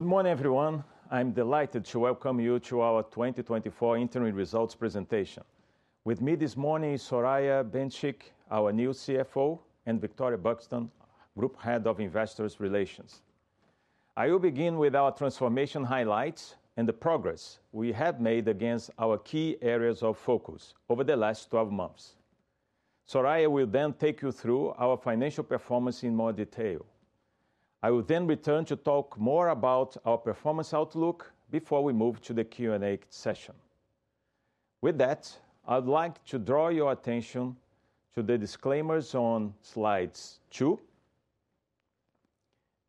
Good morning, everyone. I'm delighted to welcome you to our 2024 interim results presentation. With me this morning is Soraya Benchikh, our new CFO, and Victoria Buxton, Group Head of Investor Relations. I will begin with our transformation highlights and the progress we have made against our key areas of focus over the last 12 months. Soraya will then take you through our financial performance in more detail. I will then return to talk more about our performance outlook before we move to the Q&A session. With that, I'd like to draw your attention to the disclaimers on slides two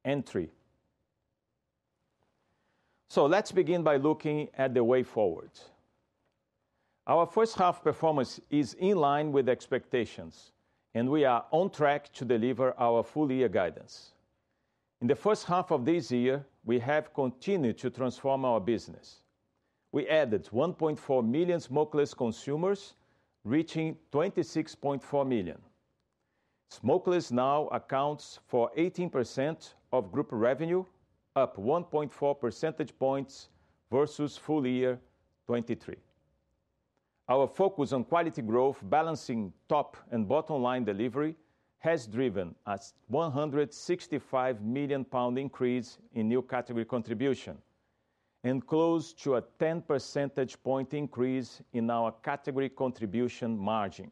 and three`. So let's begin by looking at the way forward. Our first half performance is in line with expectations, and we are on track to deliver our full year guidance. In the first half of this year, we have continued to transform our business. We added 1.4 million smokeless consumers, reaching 26.4 million. Smokeless now accounts for 18% of group revenue, up 1.4 percentage points versus full year 2023. Our focus on quality growth, balancing top and bottom line delivery, has driven a 165 million pound increase in New Category contribution and close to a 10 percentage point increase in our category contribution margin.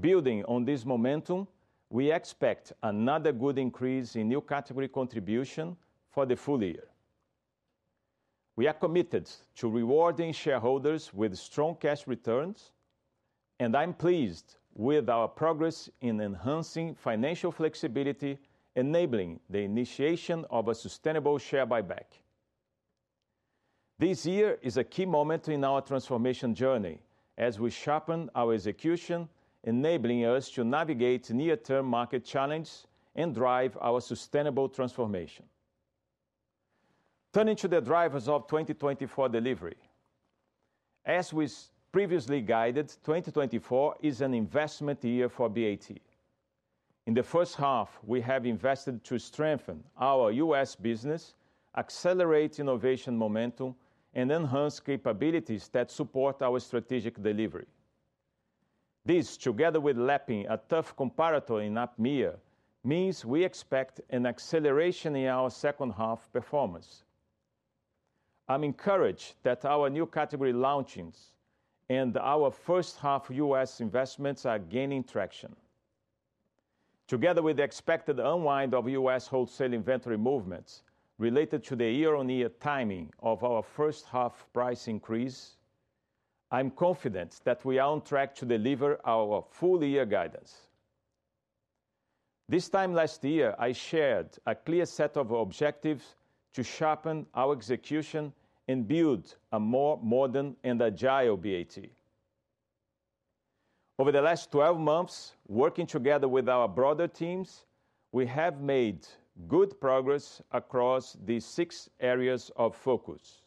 Building on this momentum, we expect another good increase in New Category contribution for the full year. We are committed to rewarding shareholders with strong cash returns, and I'm pleased with our progress in enhancing financial flexibility, enabling the initiation of a sustainable share buyback. This year is a key moment in our transformation journey as we sharpen our execution, enabling us to navigate near-term market challenge and drive our sustainable transformation. Turning to the drivers of 2024 delivery. As we previously guided, 2024 is an investment year for BAT. In the first half, we have invested to strengthen our U.S. business, accelerate innovation momentum, and enhance capabilities that support our strategic delivery. This, together with lapping a tough comparator in APMEA, means we expect an acceleration in our second half performance. I'm encouraged that our New Category launchings and our first half U.S. investments are gaining traction. Together with the expected unwind of U.S. wholesale inventory movements related to the year-on-year timing of our first half price increase, I'm confident that we are on track to deliver our full year guidance. This time last year, I shared a clear set of objectives to sharpen our execution and build a more modern and agile BAT. Over the last 12 months, working together with our broader teams, we have made good progress across these six areas of focus.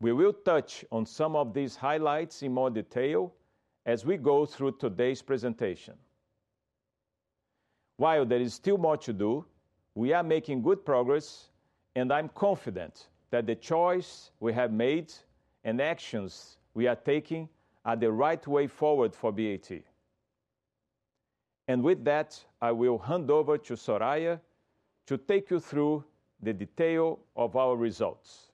We will touch on some of these highlights in more detail as we go through today's presentation. While there is still more to do, we are making good progress, and I'm confident that the choice we have made and actions we are taking are the right way forward for BAT. With that, I will hand over to Soraya to take you through the detail of our results.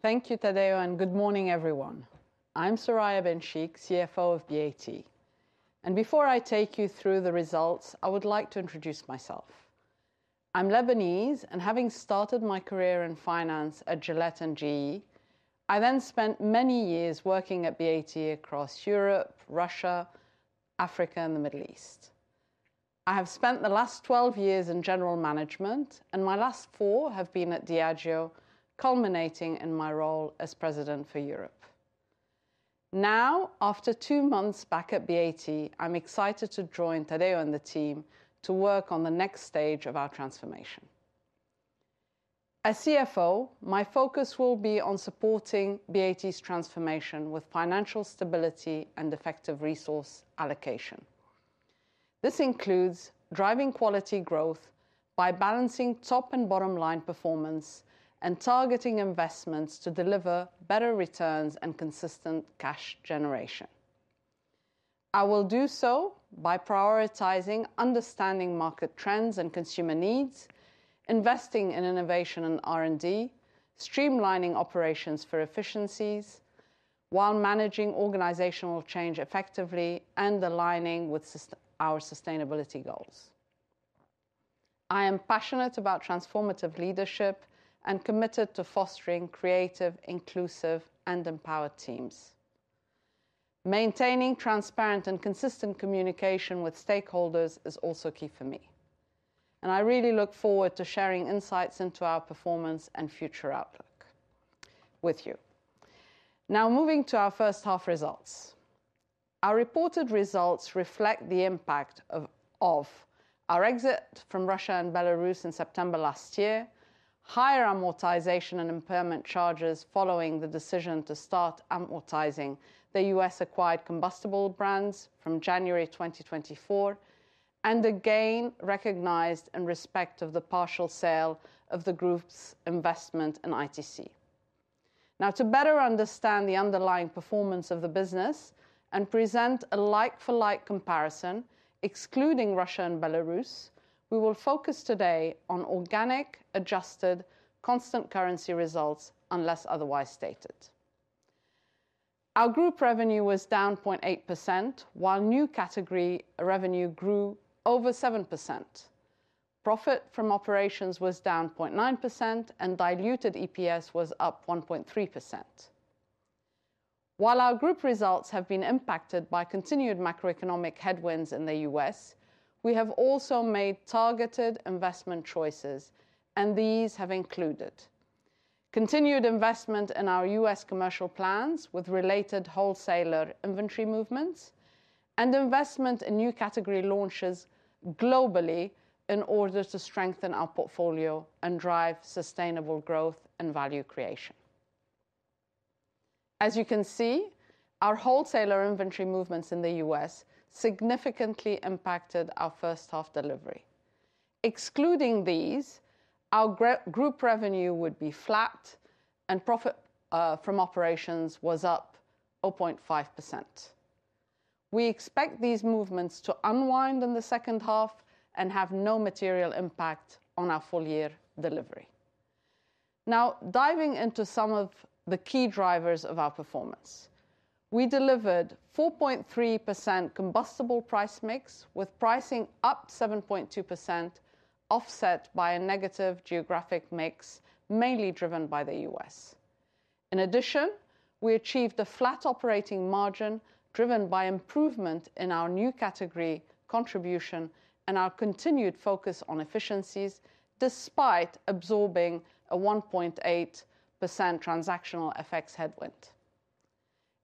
Thank you, Tadeu, and good morning, everyone. I'm Soraya Benchikh, CFO of BAT, and before I take you through the results, I would like to introduce myself. I'm Lebanese, and having started my career in finance at Gillette and GE, I then spent many years working at BAT across Europe, Russia, Africa, and the Middle East. I have spent the last 12 years in general management, and my last 4 have been at Diageo, culminating in my role as President for Europe. Now, after 2 months back at BAT, I'm excited to join Tadeu and the team to work on the next stage of our transformation. As CFO, my focus will be on supporting BAT's transformation with financial stability and effective resource allocation. This includes driving quality growth by balancing top and bottom line performance and targeting investments to deliver better returns and consistent cash generation. I will do so by prioritizing understanding market trends and consumer needs, investing in innovation and R&D, streamlining operations for efficiencies, while managing organizational change effectively and aligning with our sustainability goals. I am passionate about transformative leadership and committed to fostering creative, inclusive, and empowered teams. Maintaining transparent and consistent communication with stakeholders is also key for me, and I really look forward to sharing insights into our performance and future outlook with you. Now, moving to our first half results. Our reported results reflect the impact of our exit from Russia and Belarus in September last year, higher amortization and impairment charges following the decision to start amortizing the U.S. acquired combustible brands from January 2024, and again, recognized in respect of the partial sale of the group's investment in ITC. Now, to better understand the underlying performance of the business and present a like-for-like comparison, excluding Russia and Belarus, we will focus today on organic, adjusted, constant currency results, unless otherwise stated. Our group revenue was down 0.8%, while New Category revenue grew over 7%. Profit from operations was down 0.9%, and diluted EPS was up 1.3%. While our group results have been impacted by continued macroeconomic headwinds in the U.S., we have also made targeted investment choices, and these have included: continued investment in our U.S. commercial plans with related wholesaler inventory movements, and investment in New Category launches globally in order to strengthen our portfolio and drive sustainable growth and value creation. As you can see, our wholesaler inventory movements in the U.S. significantly impacted our first half delivery. Excluding these, our group revenue would be flat and profit from operations was up 0.5%. We expect these movements to unwind in the second half and have no material impact on our full year delivery. Now, diving into some of the key drivers of our performance. We delivered 4.3% combustibles price mix, with pricing up 7.2%, offset by a negative geographic mix, mainly driven by the U.S.. In addition, we achieved a flat operating margin, driven by improvement in our New Category contribution and our continued focus on efficiencies, despite absorbing a 1.8% transactional effects headwind.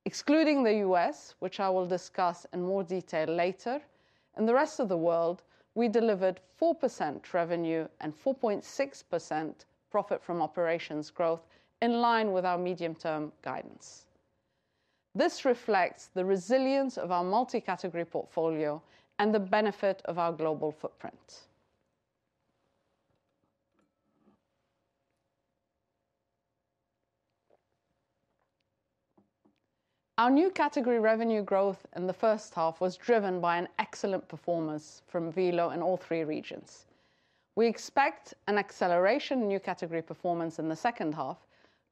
Excluding the U.S., which I will discuss in more detail later, in the rest of the world, we delivered 4% revenue and 4.6% profit from operations growth, in line with our medium-term guidance. This reflects the resilience of our multi-category portfolio and the benefit of our global footprint. Our New Category revenue growth in the first half was driven by an excellent performance from Velo in all three regions. We expect an acceleration in New Category performance in the second half,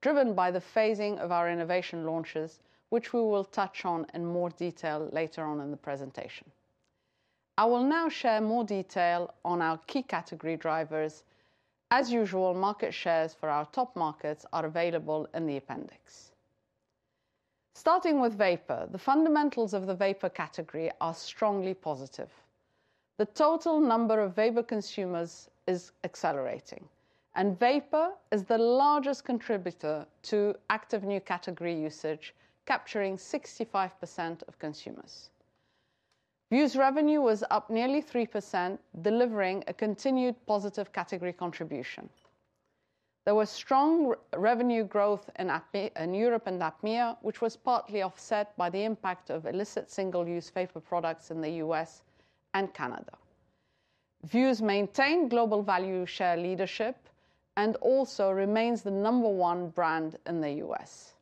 driven by the phasing of our innovation launches, which we will touch on in more detail later on in the presentation. I will now share more detail on our key category drivers. As usual, market shares for our top markets are available in the appendix. Starting with vapor, the fundamentals of the vapor category are strongly positive. The total number of vapor consumers is accelerating, and vapor is the largest contributor to active New Category usage, capturing 65% of consumers. Vuse revenue was up nearly 3%, delivering a continued positive category contribution. There was strong revenue growth in Europe and APMEA, which was partly offset by the impact of illicit single-use vapor products in the U.S. and Canada. Vuse maintained global value share leadership and also remains the number one brand in the U.S.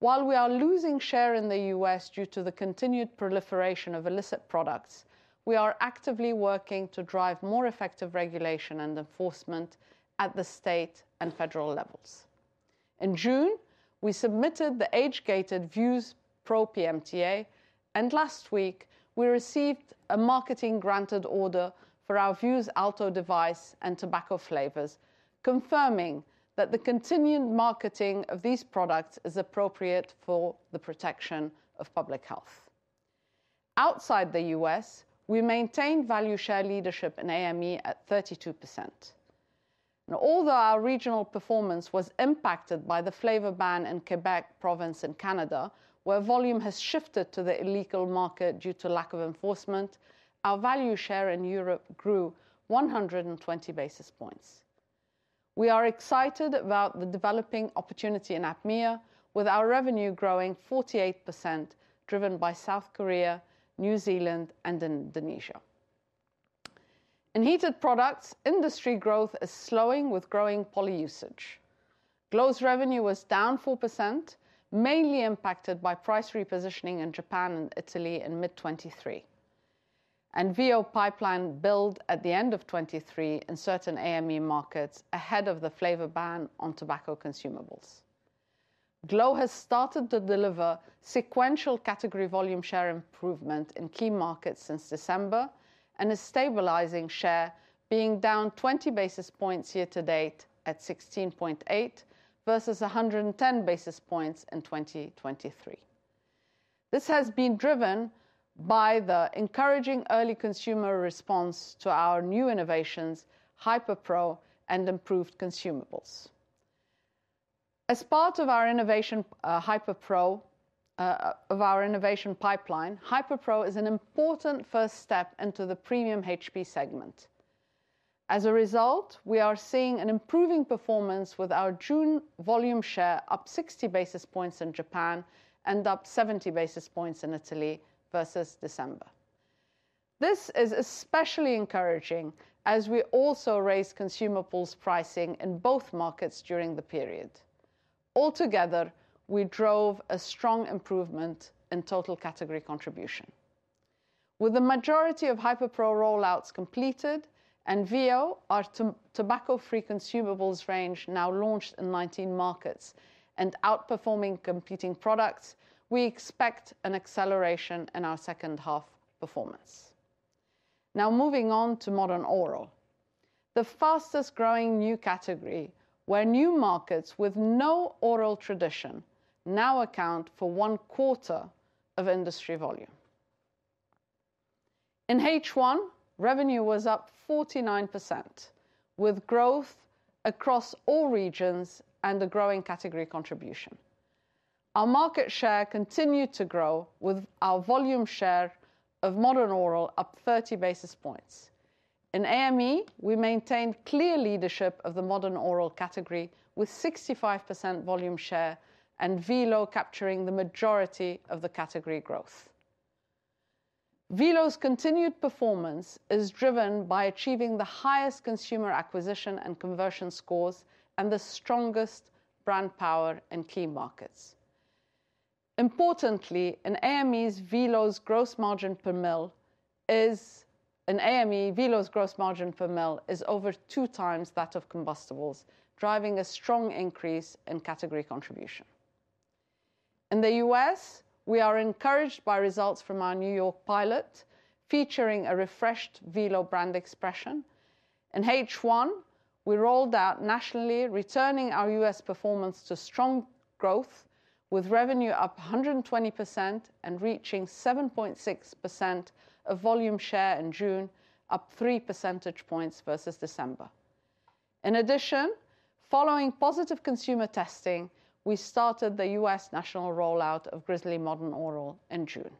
While we are losing share in the U.S. due to the continued proliferation of illicit products, we are actively working to drive more effective regulation and enforcement at the state and federal levels. In June, we submitted the age-gated Vuse Pro PMTA, and last week, we received a marketing granted order for our Vuse Alto device and tobacco flavors, confirming that the continued marketing of these products is appropriate for the protection of public health. Outside the U.S., we maintained value share leadership in AME at 32%. Now, although our regional performance was impacted by the flavor ban in Quebec province in Canada, where volume has shifted to the illegal market due to lack of enforcement, our value share in Europe grew 120 basis points. We are excited about the developing opportunity in APMEA, with our revenue growing 48%, driven by South Korea, New Zealand, and Indonesia. In heated products, industry growth is slowing with growing poly usage. Glo's revenue was down 4%, mainly impacted by price repositioning in Japan and Italy in mid-2023, and Velo pipeline build at the end of 2023 in certain AME markets, ahead of the flavor ban on tobacco consumables. Glo has started to deliver sequential category volume share improvement in key markets since December, and is stabilizing share, being down 20 basis points year to date at 16.8, versus 110 basis points in 2023. This has been driven by the encouraging early consumer response to our new innovations, Hyper Pro and improved consumables. As part of our innovation, Hyper Pro, of our innovation pipeline, Hyper Pro is an important first step into the premium HP segment. As a result, we are seeing an improving performance with our June volume share up 60 basis points in Japan and up 70 basis points in Italy versus December. This is especially encouraging as we also raised consumables pricing in both markets during the period. Altogether, we drove a strong improvement in total category contribution. With the majority of Hyper Pro rollouts completed and Velo, our tobacco-free consumables range, now launched in 19 markets and outperforming competing products, we expect an acceleration in our second half performance. Now, moving on to Modern Oral, the fastest growing New Category, where new markets with no oral tradition now account for one quarter of industry volume. In H1, revenue was up 49%, with growth across all regions and a growing category contribution. Our market share continued to grow, with our volume share of Modern Oral up 30 basis points. In AME, we maintained clear leadership of the Modern Oral category, with 65% volume share and Velo capturing the majority of the category growth. Velo's continued performance is driven by achieving the highest consumer acquisition and conversion scores and the strongest brand power in key markets. Importantly, in AME's Velo's gross margin per mil is. In AME, Velo's gross margin per mil is over two times that of combustibles, driving a strong increase in category contribution. In the U.S., we are encouraged by results from our New York pilot, featuring a refreshed Velo brand expression. In H1, we rolled out nationally, returning our U.S. performance to strong growth, with revenue up 120% and reaching 7.6% of volume share in June, up 3 percentage points versus December. In addition, following positive consumer testing, we started the U.S. national rollout of Grizzly Modern Oral in June.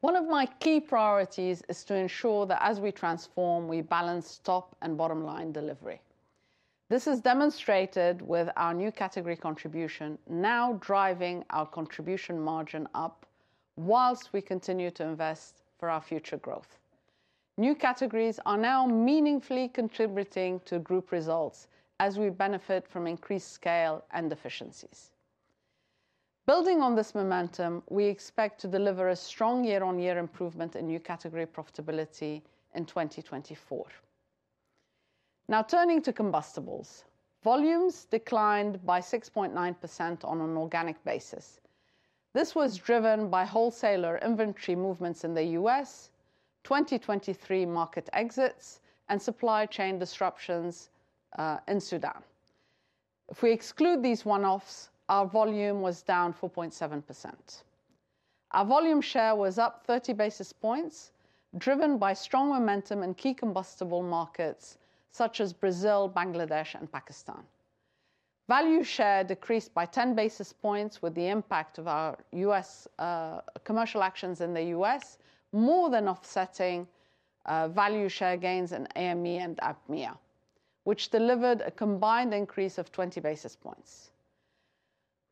One of my key priorities is to ensure that as we transform, we balance top and bottom line delivery. This is demonstrated with our New Category contribution now driving our contribution margin up, while we continue to invest for our future growth. New categories are now meaningfully contributing to group results as we benefit from increased scale and efficiencies. Building on this momentum, we expect to deliver a strong year-on-year improvement in New Category profitability in 2024. Now, turning to combustibles. Volumes declined by 6.9% on an organic basis. This was driven by wholesaler inventory movements in the U.S., 2023 market exits, and supply chain disruptions in Sudan. If we exclude these one-offs, our volume was down 4.7%. Our volume share was up 30 basis points, driven by strong momentum in key combustible markets such as Brazil, Bangladesh, and Pakistan. Value share decreased by 10 basis points, with the impact of our U.S. commercial actions in the U.S., more than offsetting value share gains in AME and APMEA, which delivered a combined increase of 20 basis points.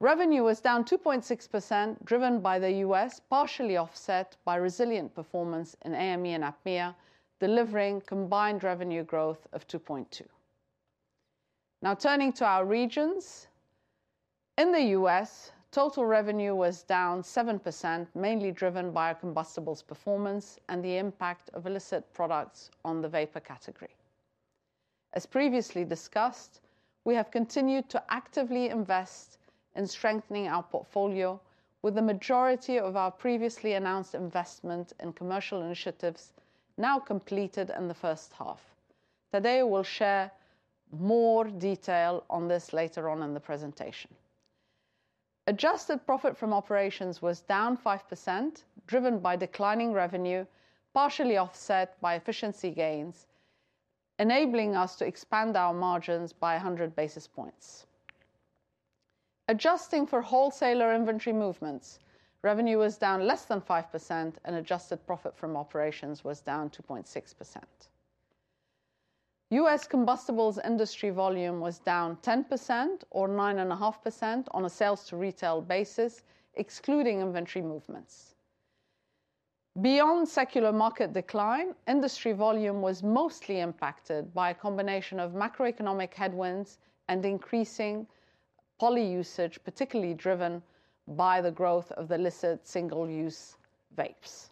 Revenue was down 2.6%, driven by the U.S., partially offset by resilient performance in AME and APMEA, delivering combined revenue growth of 2.2%. Now, turning to our regions. In the U.S., total revenue was down 7%, mainly driven by our combustibles performance and the impact of illicit products on the vapor category. As previously discussed, we have continued to actively invest in strengthening our portfolio, with the majority of our previously announced investment in commercial initiatives now completed in the first half. Tadeu will share more detail on this later on in the presentation. Adjusted profit from operations was down 5%, driven by declining revenue, partially offset by efficiency gains, enabling us to expand our margins by 100 basis points. Adjusting for wholesaler inventory movements, revenue was down less than 5%, and adjusted profit from operations was down 2.6%. U.S. combustibles industry volume was down 10%, or 9.5%, on a sales to retail basis, excluding inventory movements. Beyond secular market decline, industry volume was mostly impacted by a combination of macroeconomic headwinds and increasing poly usage, particularly driven by the growth of illicit single-use vapes.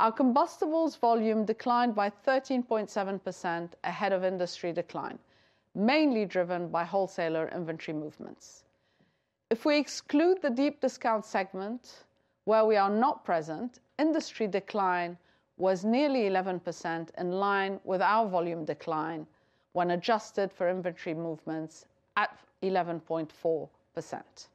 Our combustibles volume declined by 13.7% ahead of industry decline, mainly driven by wholesaler inventory movements. If we exclude the deep discount segment, where we are not present, industry decline was nearly 11%, in line with our volume decline when adjusted for inventory movements at 11.4%.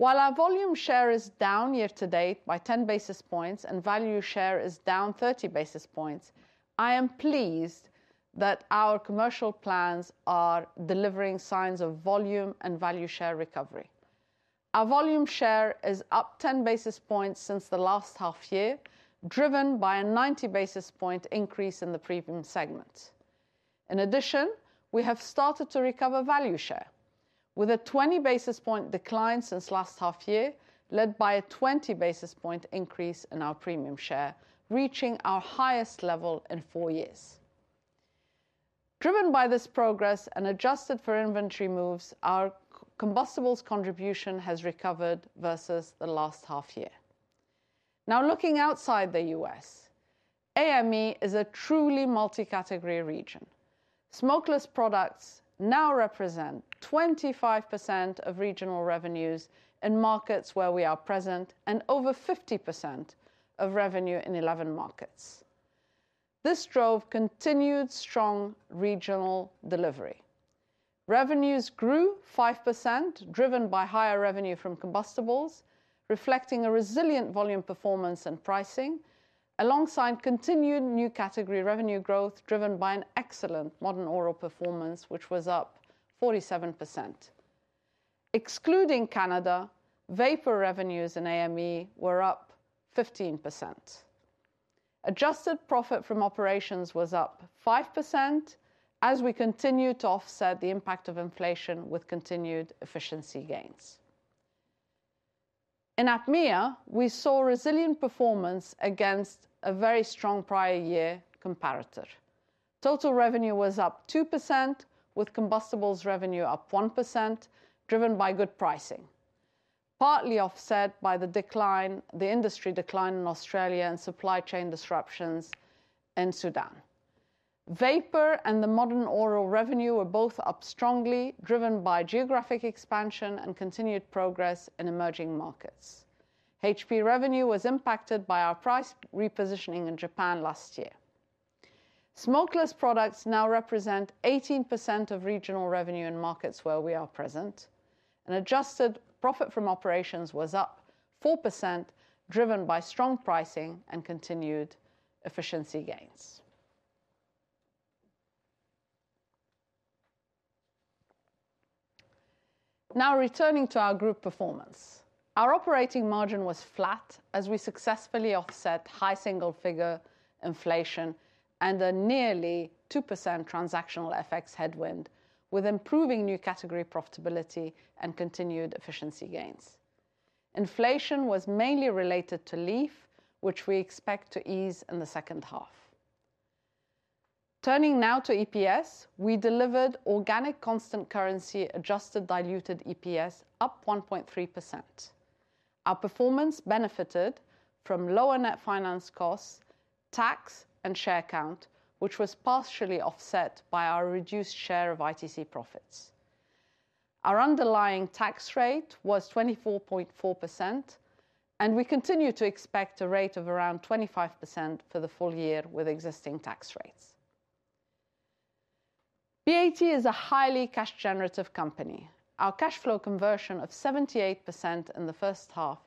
While our volume share is down year to date by 10 basis points and value share is down 30 basis points, I am pleased that our commercial plans are delivering signs of volume and value share recovery. Our volume share is up 10 basis points since the last half year, driven by a 90 basis point increase in the premium segment. In addition, we have started to recover value share, with a 20 basis point decline since last half year, led by a 20 basis point increase in our premium share, reaching our highest level in four years. Driven by this progress and adjusted for inventory moves, our combustibles contribution has recovered versus the last half year. Now, looking outside the U.S., AME is a truly multi-category region. Smokeless products now represent 25% of regional revenues in markets where we are present, and over 50% of revenue in 11 markets. This drove continued strong regional delivery. Revenues grew 5%, driven by higher revenue from combustibles, reflecting a resilient volume performance and pricing, alongside continued New Category revenue growth, driven by an excellent Modern Oral performance, which was up 47%. Excluding Canada, vapor revenues in AME were up 15%. Adjusted profit from operations was up 5%, as we continued to offset the impact of inflation with continued efficiency gains. In APMEA, we saw resilient performance against a very strong prior year comparator. Total revenue was up 2%, with combustibles revenue up 1%, driven by good pricing, partly offset by the decline, the industry decline in Australia and supply chain disruptions in Sudan. Vapor and the Modern Oral revenue were both up strongly, driven by geographic expansion and continued progress in emerging markets. HP revenue was impacted by our price repositioning in Japan last year. Smokeless products now represent 18% of regional revenue in markets where we are present, and adjusted profit from operations was up 4%, driven by strong pricing and continued efficiency gains. Now, returning to our group performance. Our operating margin was flat as we successfully offset high single-figure inflation and a nearly 2% transactional FX headwind, with improving New Category profitability and continued efficiency gains. Inflation was mainly related to leaf, which we expect to ease in the second half. Turning now to EPS, we delivered organic constant currency adjusted diluted EPS up 1.3%. Our performance benefited from lower net finance costs, tax, and share count, which was partially offset by our reduced share of ITC profits. Our underlying tax rate was 24.4%, and we continue to expect a rate of around 25% for the full year with existing tax rates. BAT is a highly cash-generative company. Our cash flow conversion of 78% in the first half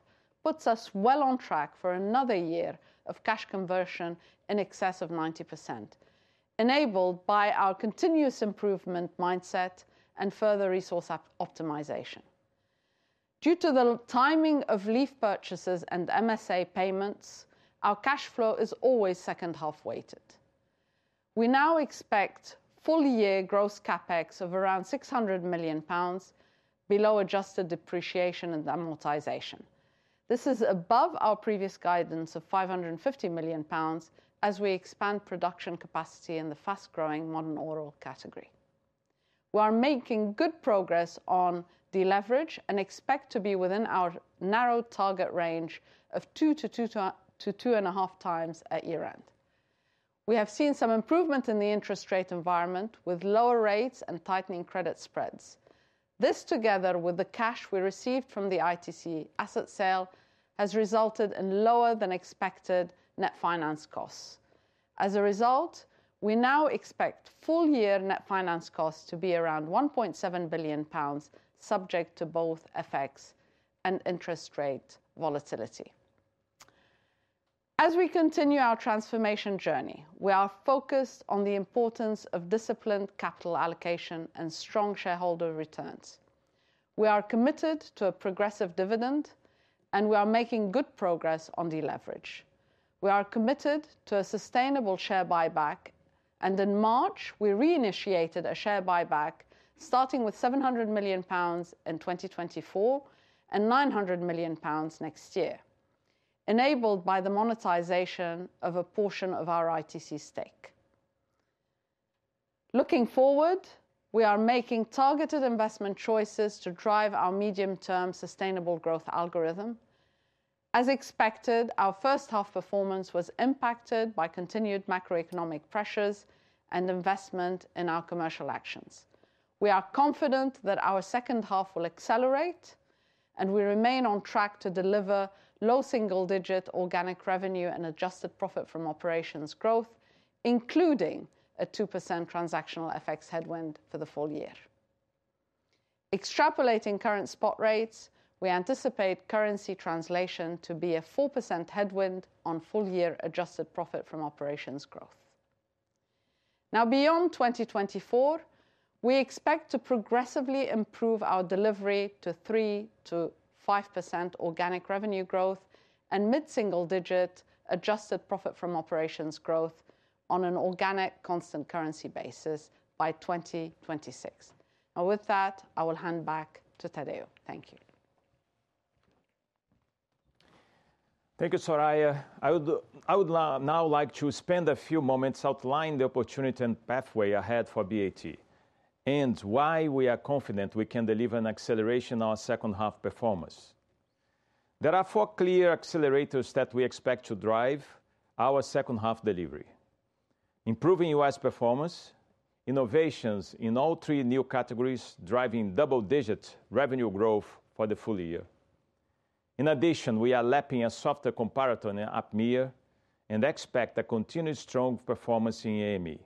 puts us well on track for another year of cash conversion in excess of 90%, enabled by our continuous improvement mindset and further resource optimization. Due to the timing of leaf purchases and MSA payments, our cash flow is always second-half weighted. We now expect full-year gross CapEx of around 600 million pounds, below adjusted depreciation and amortization. This is above our previous guidance of 550 million pounds as we expand production capacity in the fast-growing Modern Oral category. We are making good progress on deleverage and expect to be within our narrow target range of 2x-2.5x at year-end. We have seen some improvement in the interest rate environment, with lower rates and tightening credit spreads. This, together with the cash we received from the ITC asset sale, has resulted in lower than expected net finance costs. As a result, we now expect full-year net finance costs to be around 1.7 billion pounds, subject to both FX and interest rate volatility. As we continue our transformation journey, we are focused on the importance of disciplined capital allocation and strong shareholder returns. We are committed to a progressive dividend, and we are making good progress on deleverage. We are committed to a sustainable share buyback, and in March, we reinitiated a share buyback, starting with 700 million pounds in 2024 and 900 million pounds next year, enabled by the monetization of a portion of our ITC stake. Looking forward, we are making targeted investment choices to drive our medium-term sustainable growth algorithm. As expected, our first half performance was impacted by continued macroeconomic pressures and investment in our commercial actions. We are confident that our second half will accelerate, and we remain on track to deliver low single-digit organic revenue and adjusted profit from operations growth, including a 2% transactional FX headwind for the full year. Extrapolating current spot rates, we anticipate currency translation to be a 4% headwind on full year adjusted profit from operations growth. Now, beyond 2024, we expect to progressively improve our delivery to 3%-5% organic revenue growth, and mid-single-digit adjusted profit from operations growth on an organic constant currency basis by 2026. And with that, I will hand back to Tadeu. Thank you. Thank you, Soraya. I would now like to spend a few moments outlining the opportunity and pathway ahead for BAT, and why we are confident we can deliver an acceleration on second half performance. There are four clear accelerators that we expect to drive our second half delivery: improving U.S. performance, innovations in all three new categories, driving double-digit revenue growth for the full year. In addition, we are lapping a softer comparator in APMEA, and expect a continued strong performance in AME.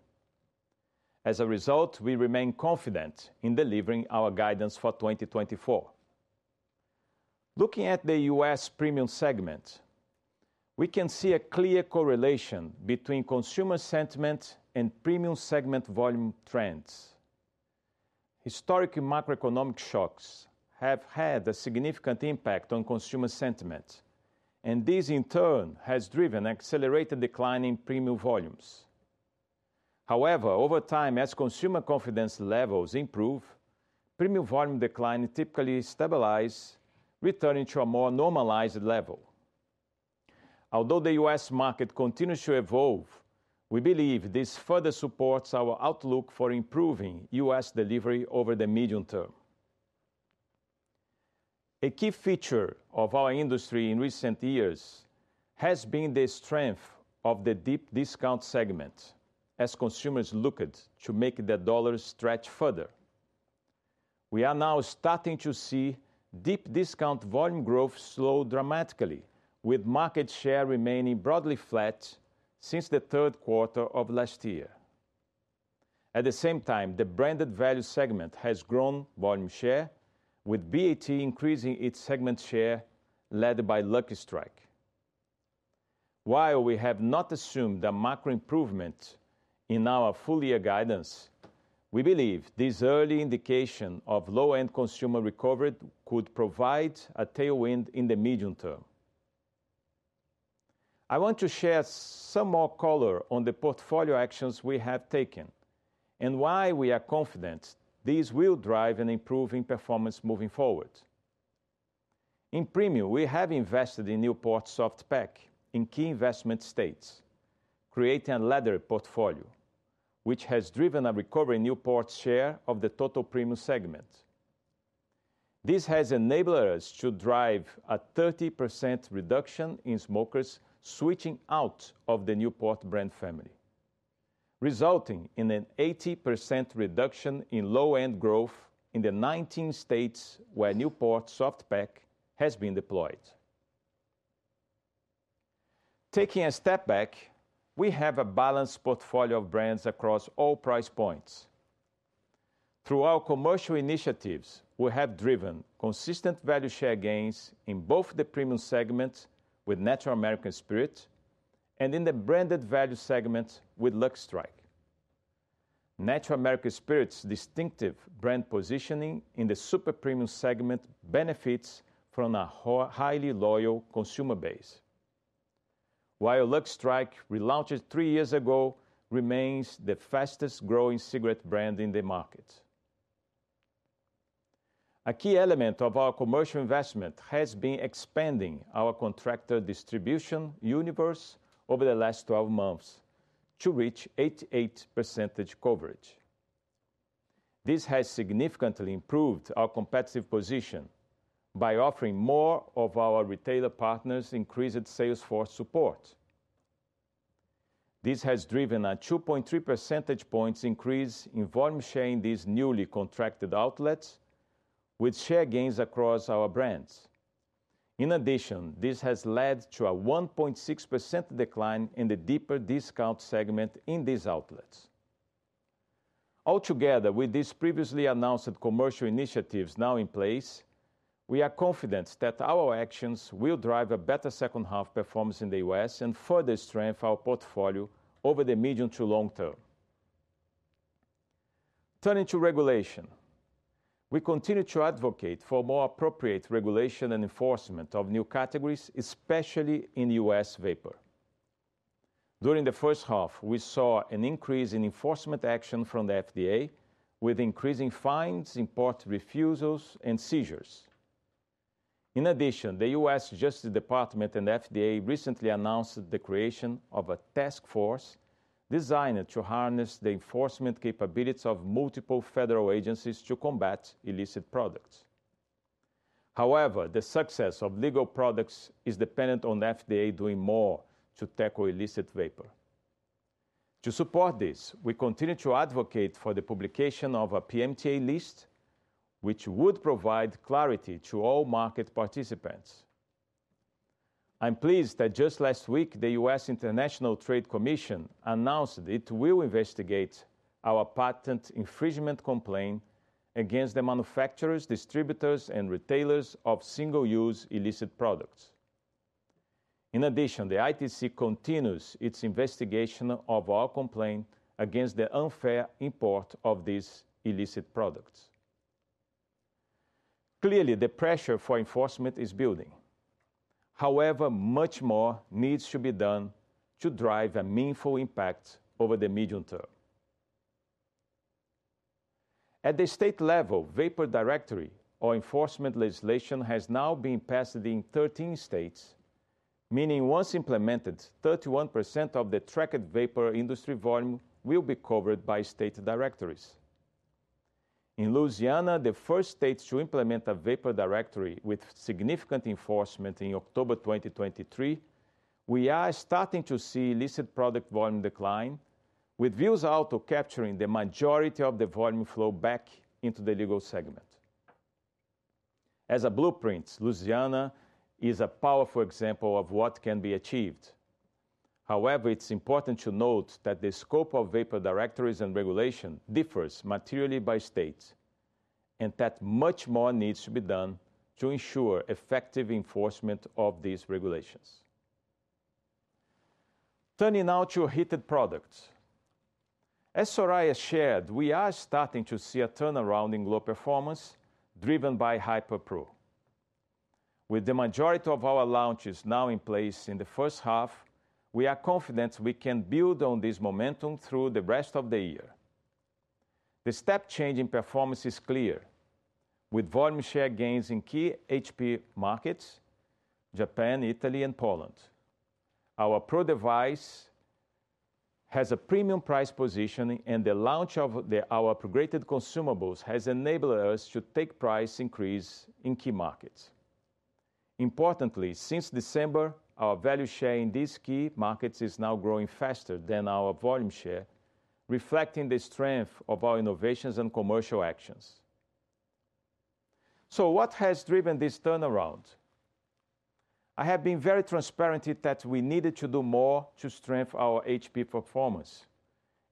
As a result, we remain confident in delivering our guidance for 2024. Looking at the U.S. premium segment, we can see a clear correlation between consumer sentiment and premium segment volume trends. Historical and macroeconomic shocks have had a significant impact on consumer sentiment, and this, in turn, has driven accelerated decline in premium volumes. However, over time, as consumer confidence levels improve, premium volume decline typically stabilize, returning to a more normalized level. Although the U.S. market continues to evolve, we believe this further supports our outlook for improving U.S. delivery over the medium term. A key feature of our industry in recent years has been the strength of the deep discount segment, as consumers looked to make their dollar stretch further. We are now starting to see deep discount volume growth slow dramatically, with market share remaining broadly flat since the third quarter of last year. At the same time, the branded value segment has grown volume share, with BAT increasing its segment share, led by Lucky Strike. While we have not assumed a macro improvement in our full year guidance, we believe this early indication of low-end consumer recovery could provide a tailwind in the medium term. I want to share some more color on the portfolio actions we have taken, and why we are confident this will drive an improving performance moving forward. In premium, we have invested in Newport soft-pack in key investment states, creating a laddered portfolio, which has driven a recovery in Newport's share of the total premium segment. This has enabled us to drive a 30% reduction in smokers switching out of the Newport brand family, resulting in an 80% reduction in low-end growth in the 19 states where Newport soft-pack has been deployed. Taking a step back, we have a balanced portfolio of brands across all price points. Through our commercial initiatives, we have driven consistent value share gains in both the premium segment with Natural American Spirit, and in the branded value segment with Lucky Strike. Natural American Spirit's distinctive brand positioning in the super premium segment benefits from a highly loyal consumer base. While Lucky Strike, relaunched three years ago, remains the fastest growing cigarette brand in the market. A key element of our commercial investment has been expanding our contracted distribution universe over the last 12 months to reach 88% coverage. This has significantly improved our competitive position by offering more of our retailer partners increased sales force support. This has driven a 2.3 percentage points increase in volume share in these newly contracted outlets, with share gains across our brands. In addition, this has led to a 1.6% decline in the deeper discount segment in these outlets. Altogether, with these previously announced commercial initiatives now in place, we are confident that our actions will drive a better second half performance in the U.S., and further strengthen our portfolio over the medium to long term. Turning to regulation, we continue to advocate for more appropriate regulation and enforcement of new categories, especially in U.S. vapor. During the first half, we saw an increase in enforcement action from the FDA, with increasing fines, import refusals, and seizures. In addition, the U.S. Justice Department and FDA recently announced the creation of a task force designed to harness the enforcement capabilities of multiple federal agencies to combat illicit products. However, the success of legal products is dependent on the FDA doing more to tackle illicit vapor. To support this, we continue to advocate for the publication of a PMTA list, which would provide clarity to all market participants. I'm pleased that just last week, the U.S. International Trade Commission announced it will investigate our patent infringement complaint against the manufacturers, distributors, and retailers of single-use illicit products. In addition, the ITC continues its investigation of our complaint against the unfair import of these illicit products. Clearly, the pressure for enforcement is building. However, much more needs to be done to drive a meaningful impact over the medium term. At the state level, vapor directory or enforcement legislation has now been passed in 13 states, meaning once implemented, 31% of the tracked vapor industry volume will be covered by state directories. In Louisiana, the first state to implement a vapor directory with significant enforcement in October 2023, we are starting to see illicit product volume decline, with Vuse Alto capturing the majority of the volume flow back into the legal segment. As a blueprint, Louisiana is a powerful example of what can be achieved. However, it's important to note that the scope of vapor directories and regulation differs materially by state, and that much more needs to be done to ensure effective enforcement of these regulations. Turning now to heated products. As Soraya has shared, we are starting to see a turnaround in glo performance, driven by Hyper Pro. With the majority of our launches now in place in the first half, we are confident we can build on this momentum through the rest of the year. The step change in performance is clear, with volume share gains in key HP markets, Japan, Italy, and Poland. Our Pro device has a premium price positioning, and the launch of our upgraded consumables has enabled us to take price increase in key markets. Importantly, since December, our value share in these key markets is now growing faster than our volume share, reflecting the strength of our innovations and commercial actions. So what has driven this turnaround? I have been very transparent that we needed to do more to strengthen our HP performance,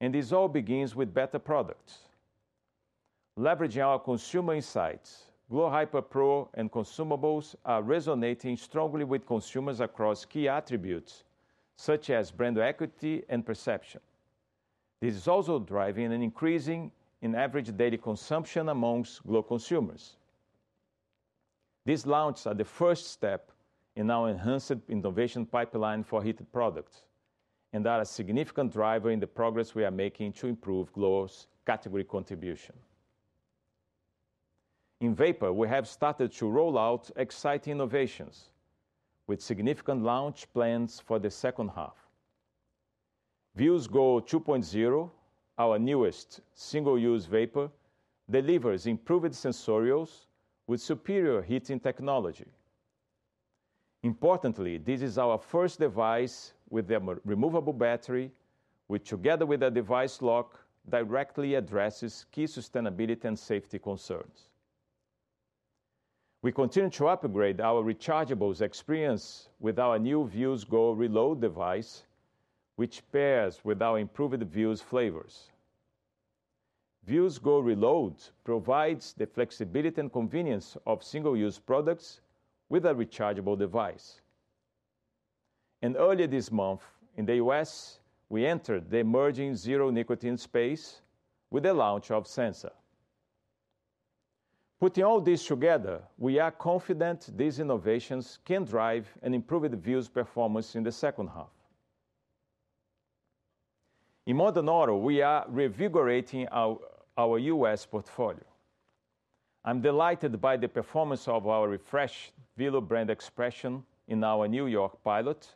and this all begins with better products. Leveraging our consumer insights, glo Hyper Pro and consumables are resonating strongly with consumers across key attributes, such as brand equity and perception. This is also driving an increase in average daily consumption among glo consumers. These launches are the first step in our enhanced innovation pipeline for heated products, and are a significant driver in the progress we are making to improve glo's category contribution. In vapor, we have started to roll out exciting innovations, with significant launch plans for the second half. Vuse Go 2.0, our newest single-use vapor, delivers improved sensorials with superior heating technology. Importantly, this is our first device with a removable battery, which, together with a device lock, directly addresses key sustainability and safety concerns. We continue to upgrade our rechargeables experience with our Vuse Go Reload device, which pairs with our improved Vuse Vuse Go Reload provides the flexibility and convenience of single-use products with a rechargeable device. And earlier this month, in the U.S., we entered the emerging zero-nicotine space with the launch of Sensa. Putting all this together, we are confident these innovations can drive and improve the Vuse performance in the second half. In Modern Oral, we are reinvigorating our U.S. portfolio. I'm delighted by the performance of our refreshed Velo brand expression in our New York pilot,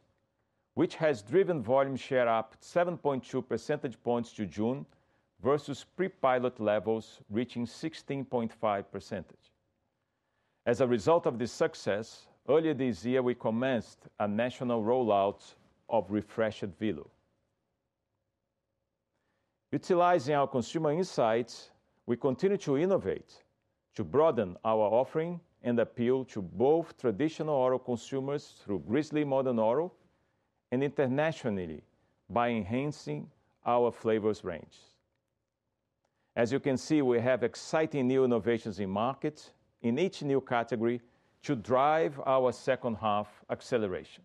which has driven volume share up 7.2 percentage points to June, versus pre-pilot levels, reaching 16.5%. As a result of this success, earlier this year, we commenced a national rollout of refreshed Velo. Utilizing our consumer insights, we continue to innovate, to broaden our offering and appeal to both traditional oral consumers through Grizzly Modern Oral, and internationally by enhancing our flavors range. As you can see, we have exciting new innovations in market in each New Category to drive our second half acceleration.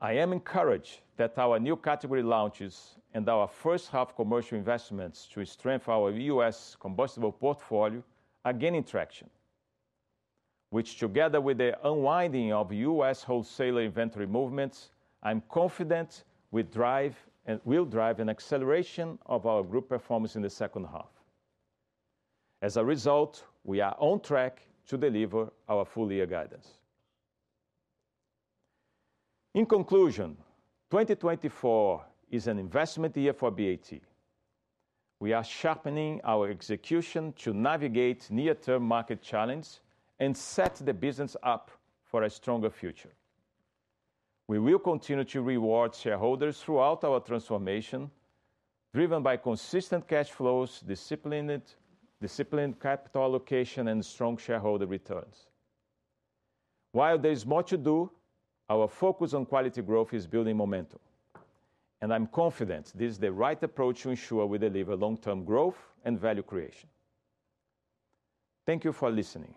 I am encouraged that our New Category launches and our first half commercial investments to strengthen our U.S. combustible portfolio are gaining traction, which, together with the unwinding of U.S. wholesaler inventory movements, I'm confident will drive, and will drive an acceleration of our group performance in the second half. As a result, we are on track to deliver our full year guidance. In conclusion, 2024 is an investment year for BAT. We are sharpening our execution to navigate near-term market challenge and set the business up for a stronger future. We will continue to reward shareholders throughout our transformation, driven by consistent cash flows, disciplined, disciplined capital allocation, and strong shareholder returns. While there is more to do, our focus on quality growth is building momentum, and I'm confident this is the right approach to ensure we deliver long-term growth and value creation. Thank you for listening.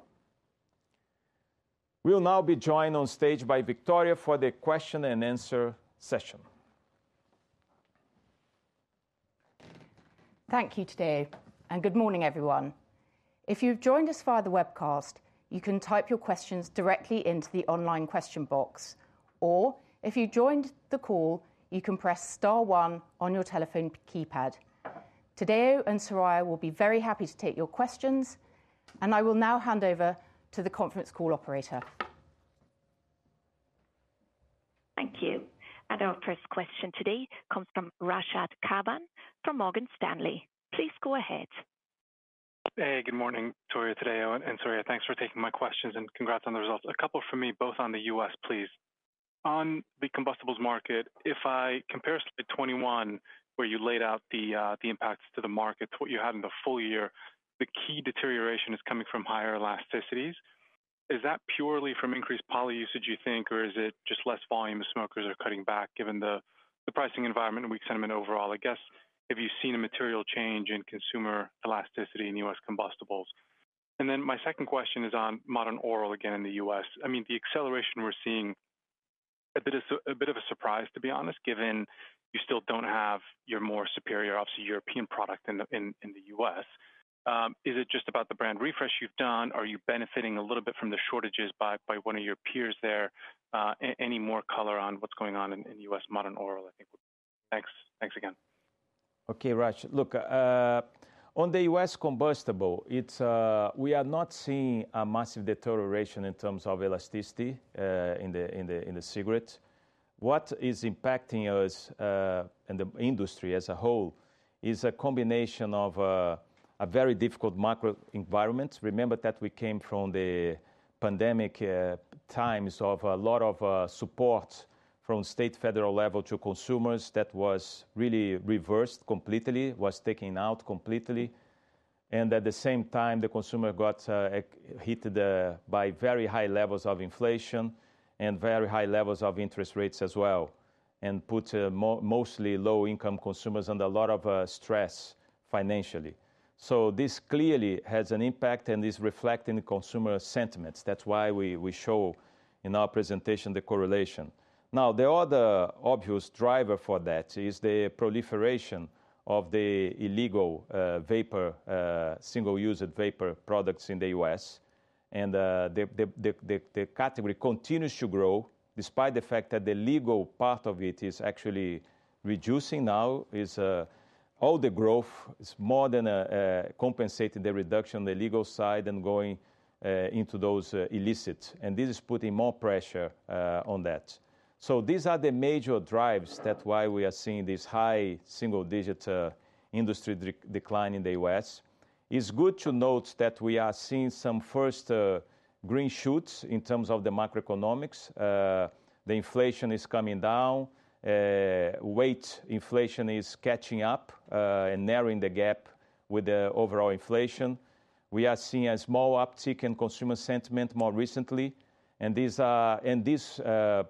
We'll now be joined on stage by Victoria for the question and answer session. Thank you, Tadeu, and good morning, everyone. If you've joined us via the webcast, you can type your questions directly into the online question box, or if you joined the call, you can press star one on your telephone keypad. Tadeu and Soraya will be very happy to take your questions, and I will now hand over to the conference call operator. Thank you, and our first question today comes from Rashad Kawan from Morgan Stanley. Please go ahead. Hey, good morning, Victoria, Tadeu, and Soraya. Thanks for taking my questions, and congrats on the results. A couple from me, both on the U.S., please. On the combustibles market, if I compare slide 21, where you laid out the impacts to the market, what you had in the full year, the key deterioration is coming from higher elasticities. Is that purely from increased poly usage, you think, or is it just less volume as smokers are cutting back, given the pricing environment and weak sentiment overall? I guess, have you seen a material change in consumer elasticity in U.S. combustibles? And then my second question is on Modern Oral again, in the U.S. I mean, the acceleration we're seeing is a bit of a surprise, to be honest, given you still don't have your more superior, obviously, European product in the U.S. Is it just about the brand refresh you've done, or are you benefiting a little bit from the shortages by one of your peers there? Any more color on what's going on in U.S. Modern Oral, I think. Thanks. Thanks again. Okay, Rash. Look, on the U.S. combustible, it's. We are not seeing a massive deterioration in terms of elasticity in the cigarette. What is impacting us and the industry as a whole is a combination of a very difficult macro environment. Remember that we came from the pandemic times of a lot of support from state, federal level to consumers, that was really reversed completely, was taken out completely, and at the same time, the consumer got hit by very high levels of inflation and very high levels of interest rates as well, and put mostly low-income consumers under a lot of stress financially. So this clearly has an impact and is reflecting the consumer sentiments. That's why we show in our presentation the correlation. Now, the other obvious driver for that is the proliferation of the illegal vapor single-use vapor products in the U.S. The category continues to grow despite the fact that the legal part of it is actually reducing now. All the growth is more than compensating the reduction on the legal side and going into those illicit, and this is putting more pressure on that. So these are the major drives that's why we are seeing this high single-digit industry decline in the U.S. It's good to note that we are seeing some first green shoots in terms of the macroeconomics. The inflation is coming down, wage inflation is catching up, and narrowing the gap with the overall inflation. We are seeing a small uptick in consumer sentiment more recently, and this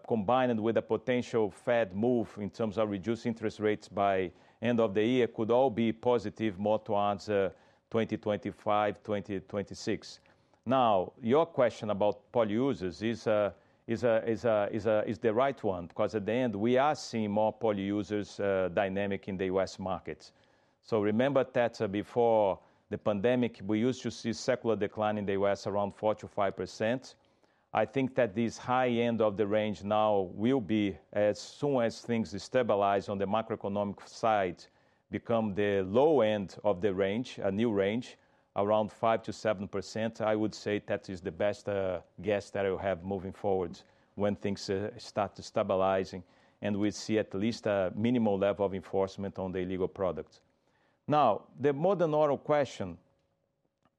combined with a potential Fed move in terms of reducing interest rates by end of the year, could all be positive more towards 2025, 2026. Now, your question about poly users is the right one, because at the end, we are seeing more poly users dynamic in the U.S. market. So remember that before the pandemic, we used to see secular decline in the U.S., around 4%-5%. I think that this high end of the range now will be, as soon as things stabilize on the macroeconomic side, become the low end of the range, a new range, around 5%-7%. I would say that is the best guess that I will have moving forward when things start stabilizing, and we see at least a minimal level of enforcement on the illegal products. Now, the Modern Oral question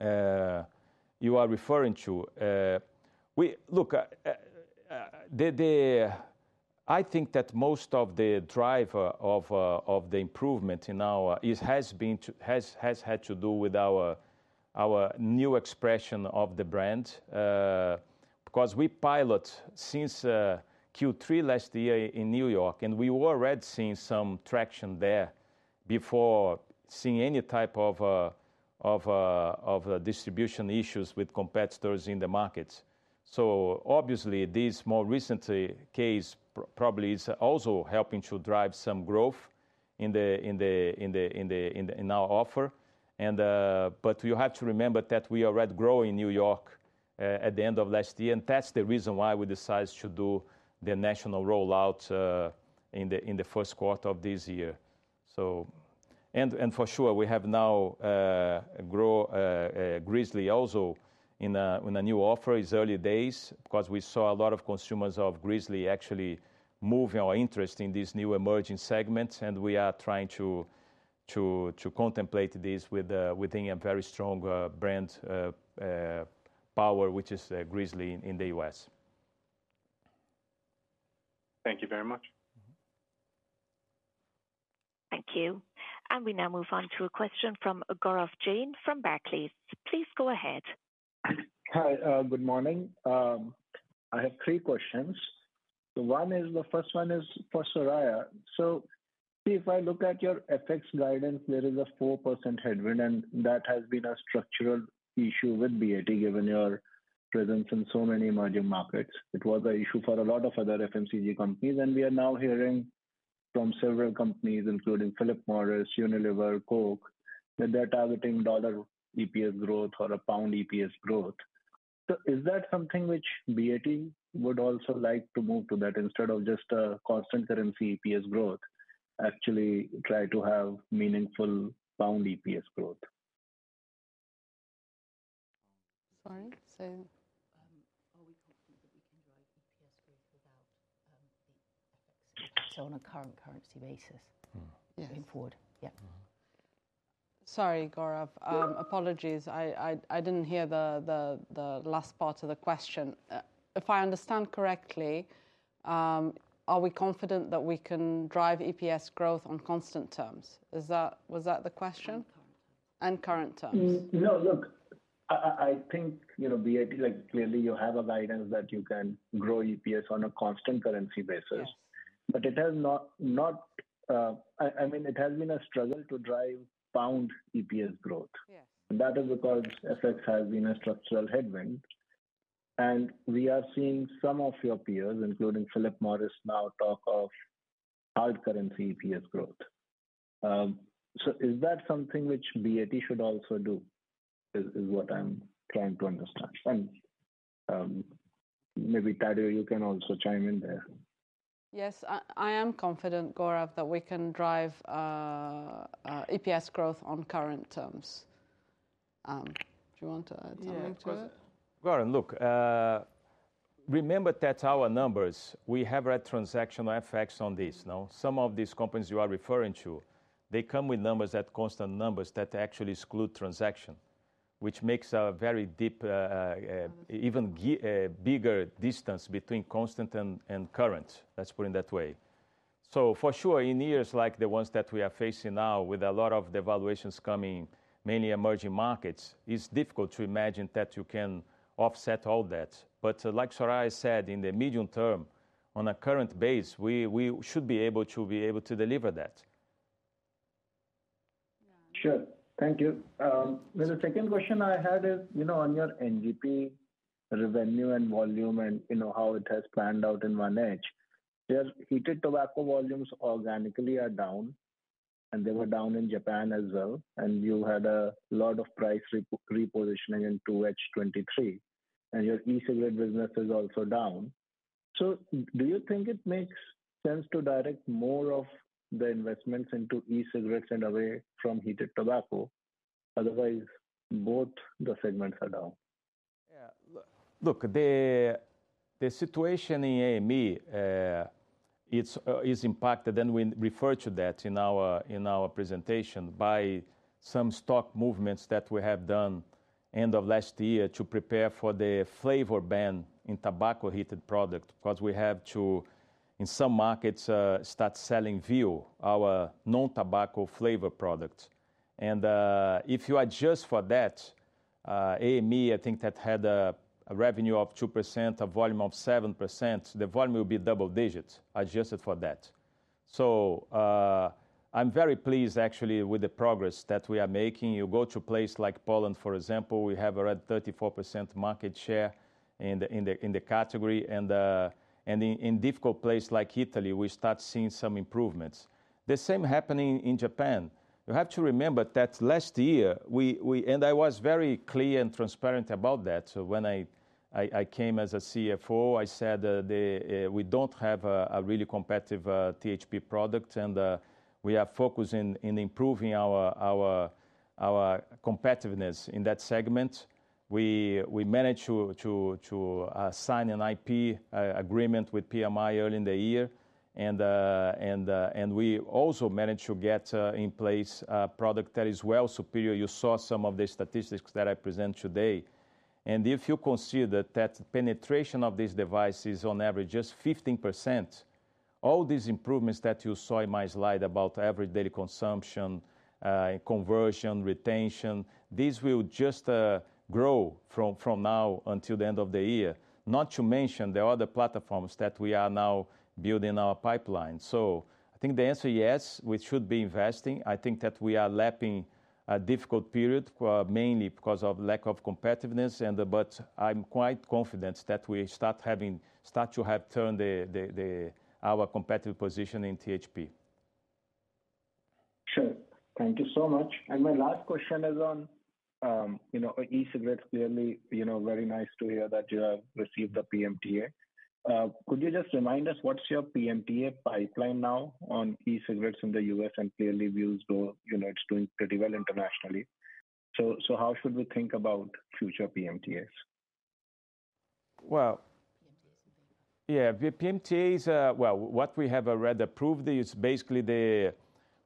you are referring to. I think that most of the driver of the improvement in our has had to do with our new expression of the brand, because we pilot since Q3 last year in New York, and we were already seeing some traction there before seeing any type of distribution issues with competitors in the market. So obviously, this more recent case probably is also helping to drive some growth in our offer. And. But you have to remember that we already grew in New York at the end of last year, and that's the reason why we decided to do the national rollout in the first quarter of this year, so. And for sure, we have now grown Grizzly also in a new offer. It's early days, because we saw a lot of consumers of Grizzly actually moving our interest in these new emerging segments, and we are trying to contemplate this within a very strong brand portfolio power, which is Grizzly in the U.S. Thank you very much. Thank you. We now move on to a question from Gaurav Jain from Barclays. Please go ahead. Hi, good morning. I have three questions. One is. The first one is for Soraya. So if I look at your FX guidance, there is a 4% headwind, and that has been a structural issue with BAT, given your presence in so many emerging markets. It was an issue for a lot of other FMCG companies, and we are now hearing from several companies, including Philip Morris, Unilever, Coke, that they're targeting dollar EPS growth or a pound EPS growth. So is that something which BAT would also like to move to that, instead of just a constant currency EPS growth, actually try to have meaningful pound EPS growth? Sorry, are we confident that we can drive EPS growth without the FX? So on a current currency basis. Mm-hmm. going forward? Yeah. Mm-hmm. Sorry, Gaurav. Apologies, I didn't hear the last part of the question. If I understand correctly, are we confident that we can drive EPS growth on constant terms? Is that? Was that the question? Current terms. You know, look, I think, you know, BAT, like, clearly, you have a guidance that you can grow EPS on a constant currency basis. Yeah. But it has not. I mean, it has been a struggle to drive pound EPS growth. Yes. That is because FX has been a structural headwind, and we are seeing some of your peers, including Philip Morris, now talk of hard currency EPS growth. So is that something which BAT should also do, is what I'm trying to understand? And maybe, Tadeu, you can also chime in there. Yes, I am confident, Gaurav, that we can drive EPS growth on current terms. Do you want to add something to it? Yeah, of course. Gaurav, look, remember that our numbers, we have read transactional FX on this, no? Some of these companies you are referring to, they come with numbers, at constant numbers, that actually exclude transaction, which makes a very deep, Even bigger distance between constant and current. Let's put it that way. So for sure, in years like the ones that we are facing now, with a lot of devaluations coming, mainly emerging markets, it's difficult to imagine that you can offset all that. But like Soraya said, in the medium term, on a current base, we should be able to deliver that. Yeah. Sure. Thank you. The second question I had is, you know, on your NGP revenue and volume and, you know, how it has panned out in 1Q. Your heated tobacco volumes organically are down, and they were down in Japan as well, and you had a lot of price repositioning in 2H23, and your e-cigarette business is also down. So do you think it makes sense to direct more of the investments into e-cigarettes and away from heated tobacco? Otherwise, both the segments are down. Yeah, look, the situation in AME, it's impacted, and we refer to that in our presentation, by some stock movements that we have done end of last year to prepare for the flavor ban in heated tobacco product. Because we have to, in some markets, start selling Vuse, our non-tobacco flavor product. And, if you adjust for that, AME, I think that had a revenue of 2%, a volume of 7%, the volume will be double digits, adjusted for that. So, I'm very pleased actually with the progress that we are making. You go to a place like Poland, for example, we have around 34% market share in the category, and in difficult place like Italy, we start seeing some improvements. The same happening in Japan. You have to remember that last year, we and I was very clear and transparent about that. So when I came as a CFO, I said, we don't have a really competitive THP product, and we also managed to get in place a product that is well superior. You saw some of the statistics that I present today. And if you consider that penetration of these devices on average is 15%, all these improvements that you saw in my slide about everyday consumption, conversion, retention, these will just grow from now until the end of the year. Not to mention the other platforms that we are now building our pipeline. So I think the answer, yes, we should be investing. I think that we are lapping a difficult period, mainly because of lack of competitiveness and. But I'm quite confident that we start to have turned our competitive position in THP. Sure. Thank you so much. And my last question is on, you know, e-cigarettes, clearly, you know, very nice to hear that you have received the PMTA. Could you just remind us what's your PMTA pipeline now on e-cigarettes in the U.S. and clearly Vuse, you know, it's doing pretty well internationally. So how should we think about future PMTAs? Yeah, the PMTAs, well, what we have already approved is basically the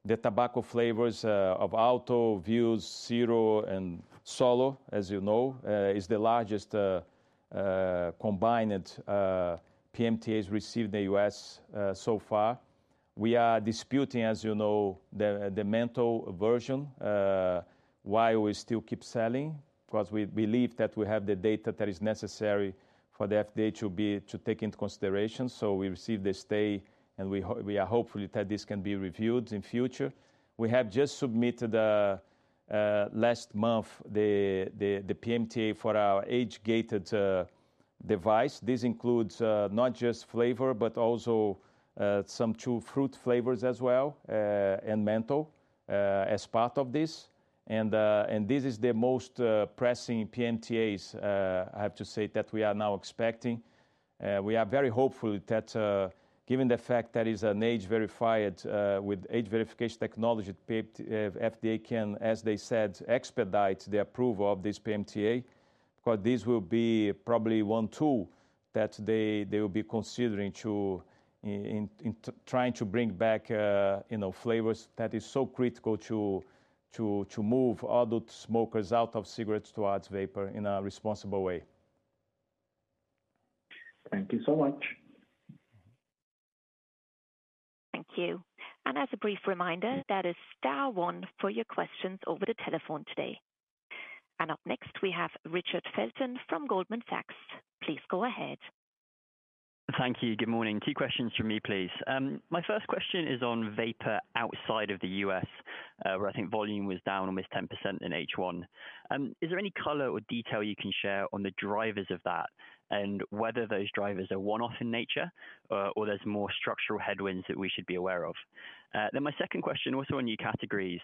tobacco flavors of Alto, Vuse Ciro, and Solo, as you know, is the largest combined PMTAs received in the U.S. so far. We are disputing, as you know, the menthol version, why we still keep selling, because we believe that we have the data that is necessary for the FDA to take into consideration. So we received the stay, and we are hopeful that this can be reviewed in future. We have just submitted last month the PMTA for our age-gated device. This includes not just flavor, but also some two fruit flavors as well, and menthol as part of this. This is the most pressing PMTAs, I have to say, that we are now expecting. We are very hopeful that, given the fact that is an age-verified, with age verification technology, FDA can, as they said, expedite the approval of this PMTA. Because this will be probably one tool that they, they will be considering to, in, in trying to bring back, you know, flavors that is so critical to, to, to move adult smokers out of cigarettes towards vapor in a responsible way. Thank you so much. Thank you. And as a brief reminder, that is star one for your questions over the telephone today. And up next, we have Richard Felton from Goldman Sachs. Please go ahead. Thank you. Good morning. Two questions from me, please. My first question is on vapor outside of the U.S., where I think volume was down almost 10% in H1. Is there any color or detail you can share on the drivers of that, and whether those drivers are one-off in nature, or there's more structural headwinds that we should be aware of? Then my second question, also on new categories.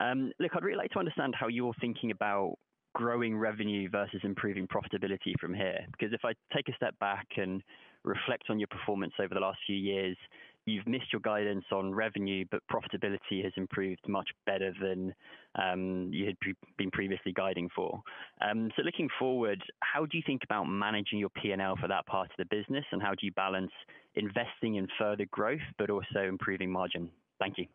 Look, I'd really like to understand how you're thinking about growing revenue versus improving profitability from here. Because if I take a step back and reflect on your performance over the last few years, you've missed your guidance on revenue, but profitability has improved much better than you had previously been guiding for. Looking forward, how do you think about managing your P&L for that part of the business, and how do you balance investing in further growth but also improving margin? Thank you.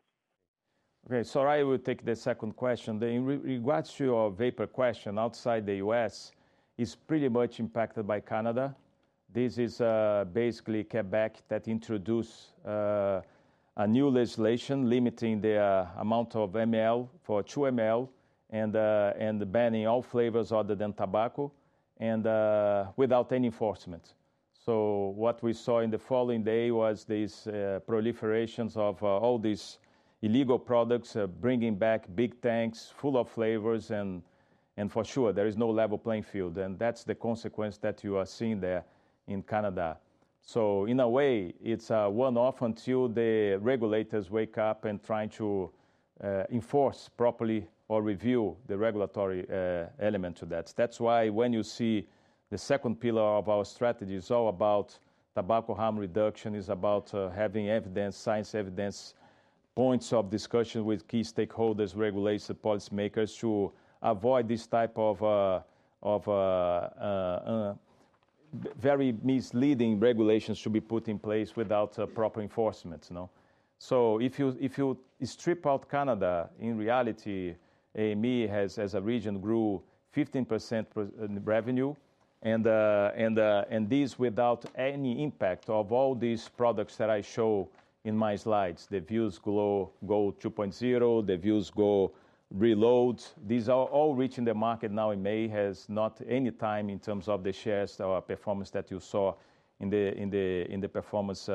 Okay, so I will take the second question. In regards to your vapor question, outside the U.S., is pretty much impacted by Canada. This is basically Quebec that introduced a new legislation limiting the amount of ml to 2 ml and banning all flavors other than tobacco and without any enforcement. So what we saw in the following day was this proliferation of all these illegal products bringing back big tanks full of flavors, and for sure, there is no level playing field, and that's the consequence that you are seeing there in Canada. So in a way, it's a one-off until the regulators wake up and trying to enforce properly or review the regulatory element to that. That's why when you see the second pillar of our strategy is all about tobacco harm reduction, is about, having evidence, science evidence, points of discussion with key stakeholders, regulators, policymakers, to avoid this type of, of, very misleading regulations to be put in place without proper enforcement, you know? So if you, if you strip out Canada, in reality, AME has, as a region, grew 15% in revenue, and, and this without any impact of all these products that I show in my slides. The Vuse, glo, glo 2.0, Vuse Go Reload, these are all reaching the market now in May, has not any time in terms of the shares or performance that you saw in the performance,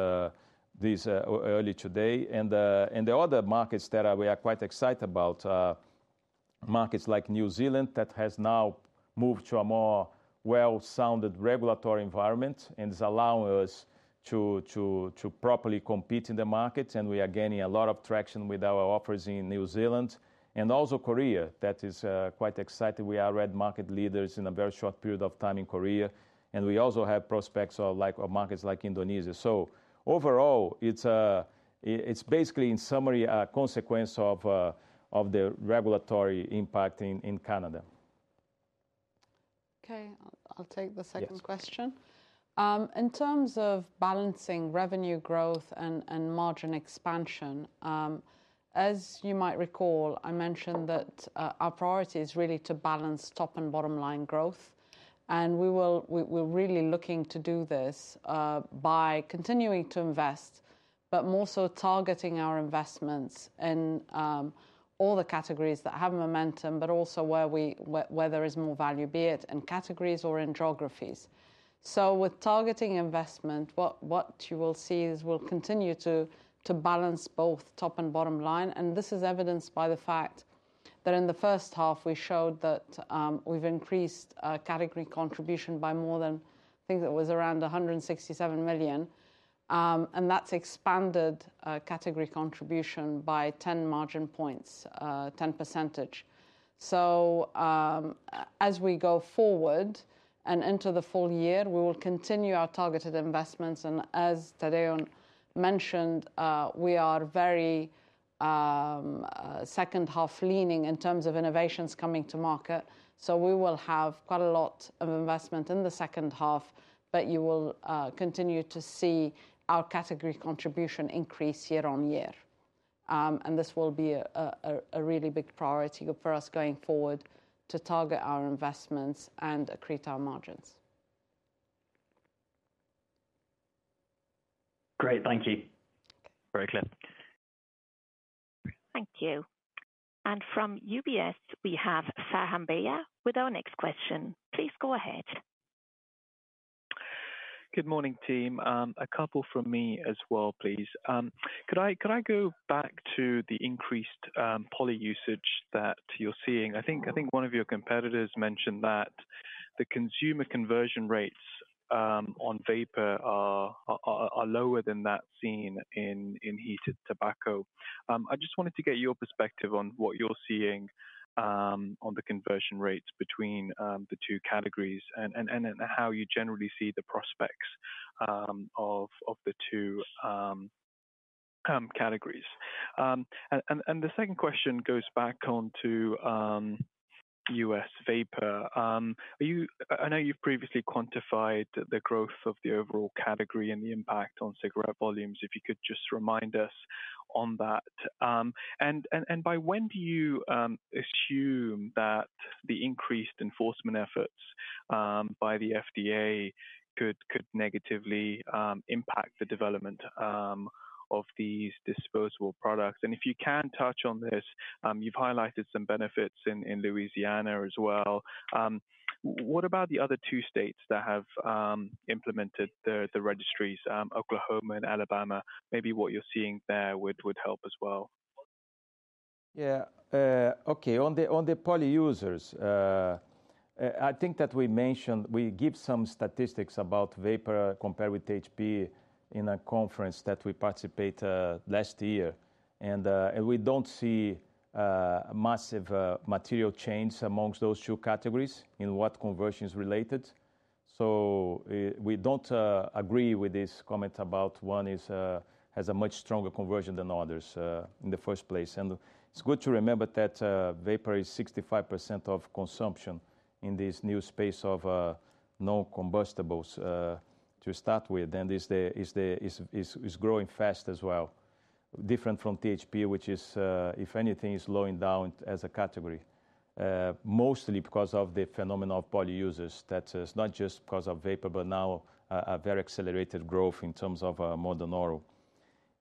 this early today. The other markets that we are quite excited about are markets like New Zealand, that has now moved to a more well-rounded regulatory environment and is allowing us to properly compete in the market, and we are gaining a lot of traction with our offerings in New Zealand. Also Korea, that is quite exciting. We are already market leaders in a very short period of time in Korea, and we also have prospects of like, of markets like Indonesia. Overall, it's basically, in summary, a consequence of the regulatory impact in Canada. Okay, I'll take the second question. In terms of balancing revenue growth and margin expansion, as you might recall, I mentioned that our priority is really to balance top and bottom line growth, and we will... We are really looking to do this by continuing to invest, but more so targeting our investments in all the categories that have momentum, but also where there is more value, be it in categories or in geographies. So with targeting investment, what you will see is we will continue to balance both top and bottom line, and this is evidenced by the fact that in the first half, we showed that we have increased category contribution by more than, I think it was around 167 million. And that has expanded category contribution by 10 percentage points. So, as we go forward and into the full year, we will continue our targeted investments, and as Tadeu mentioned, we are very second half leaning in terms of innovations coming to market. So we will have quite a lot of investment in the second half, but you will continue to see our category contribution increase year on year. And this will be a really big priority for us going forward to target our investments and accrete our margins. Great. Thank you. Very clear. Thank you. And from UBS, we have Faham Baig with our next question. Please go ahead. Good morning, team. A couple from me as well, please. Could I go back to the increased vape usage that you're seeing? I think one of your competitors mentioned that the consumer conversion rates on vapor are lower than that seen in heated tobacco. I just wanted to get your perspective on what you're seeing on the conversion rates between the two categories and then how you generally see the prospects of the two categories. And the second question goes back on to U.S. vapor. I know you've previously quantified the growth of the overall category and the impact on cigarette volumes, if you could just remind us on that. By when do you assume that the increased enforcement efforts by the FDA could negatively impact the development of these disposable products? And if you can touch on this, you've highlighted some benefits in Louisiana as well. What about the other two states that have implemented the registries, Oklahoma and Alabama? Maybe what you're seeing there would help as well. Yeah. Okay. On the poly users, I think that we mentioned we give some statistics about vapor compared with HP in a conference that we participate last year. And we don't see massive material change amongst those two categories in what conversion is related. So we don't agree with this comment about one is has a much stronger conversion than others in the first place. And it's good to remember that vapor is 65% of consumption in this new space of non-combustibles to start with, and is growing fast as well. Different from THP, which is, if anything, slowing down as a category, mostly because of the phenomenon of poly users. That is not just because of vapor, but now a very accelerated growth in terms of Modern Oral.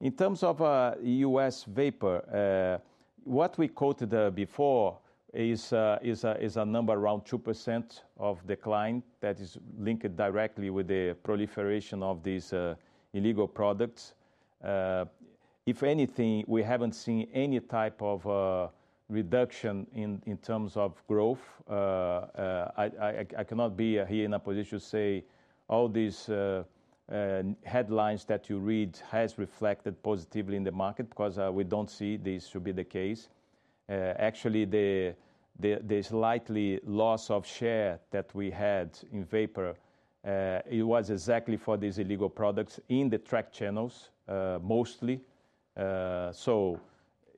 In terms of U.S. vapor, what we quoted before is a number around 2% of decline that is linked directly with the proliferation of these illegal products. If anything, we haven't seen any type of reduction in terms of growth. I cannot be here in a position to say all these headlines that you read has reflected positively in the market because we don't see this to be the case. Actually, the slight loss of share that we had in vapor, it was exactly for these illegal products in the trade channels, mostly. So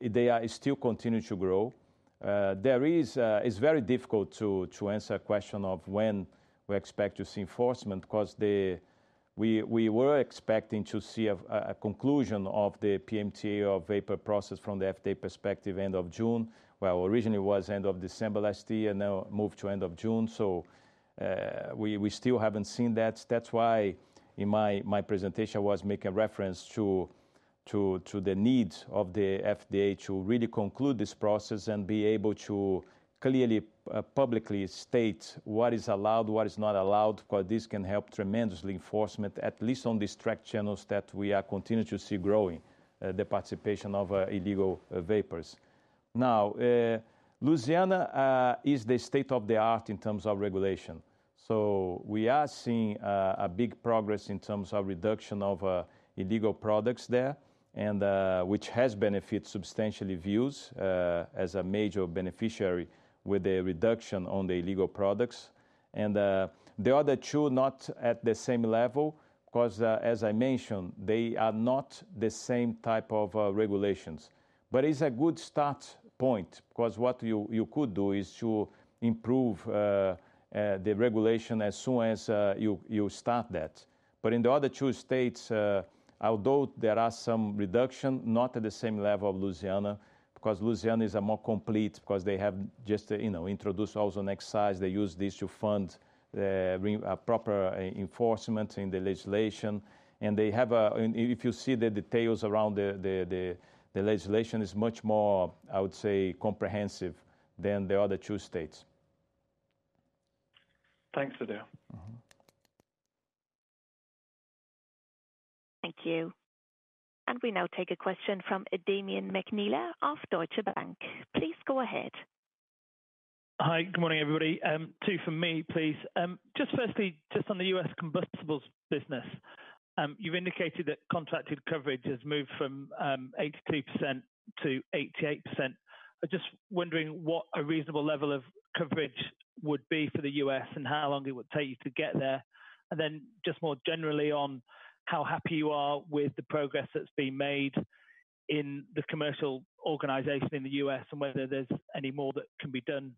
they are still continuing to grow. There is. It's very difficult to answer a question of when we expect to see enforcement, because we were expecting to see a conclusion of the PMTA of vapor process from the FDA perspective, end of June. Well, originally it was end of December last year, and now moved to end of June. So, we still haven't seen that. That's why in my presentation was make a reference to the needs of the FDA to really conclude this process and be able to clearly publicly state what is allowed, what is not allowed, because this can help tremendously enforcement, at least on the tracked channels, that we are continuing to see growing the participation of illegal vapors. Now, Louisiana is the state-of-the-art in terms of regulation. So we are seeing a big progress in terms of reduction of illegal products there and which has benefited substantially Vuse as a major beneficiary with a reduction on the illegal products. And the other two, not at the same level, because as I mentioned, they are not the same type of regulations. But it's a good start point, because what you could do is to improve the regulation as soon as you start that. But in the other two states, although there are some reduction, not at the same level of Louisiana, because Louisiana is a more complete, because they have just, you know, introduced also an excise. They use this to fund the proper enforcement in the legislation, and they have a. If you see the details around the legislation is much more, I would say, comprehensive than the other two states. Thanks for that. Thank you. We now take a question from Damian McNeela of Deutsche Bank. Please go ahead. Hi, good morning, everybody. Two from me, please. Just firstly, just on the U.S. Combustibles business, you've indicated that contracted coverage has moved from 82%-88%. I'm just wondering what a reasonable level of coverage would be for the U.S. and how long it would take you to get there. And then, just more generally, on how happy you are with the progress that's been made in the commercial organization in the U.S. and whether there's any more that can be done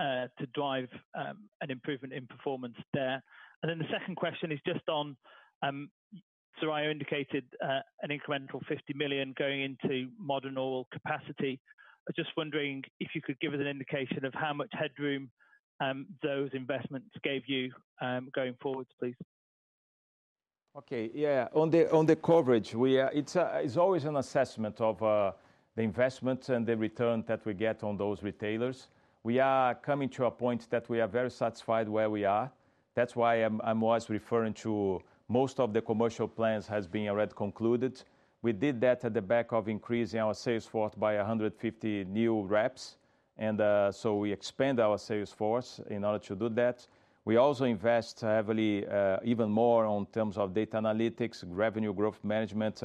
to drive an improvement in performance there? And then the second question is just on, Soraya indicated an incremental 50 million going into Modern Oral capacity. I'm just wondering if you could give us an indication of how much headroom those investments gave you going forward, please. Okay, yeah. On the, on the coverage, we are. It's, it's always an assessment of the investment and the return that we get on those retailers. We are coming to a point that we are very satisfied where we are. That's why I was referring to most of the commercial plans has been already concluded. We did that at the back of increasing our sales force by 150 new reps, and so we expand our sales force in order to do that. We also invest heavily, even more in terms of data analytics, revenue growth management,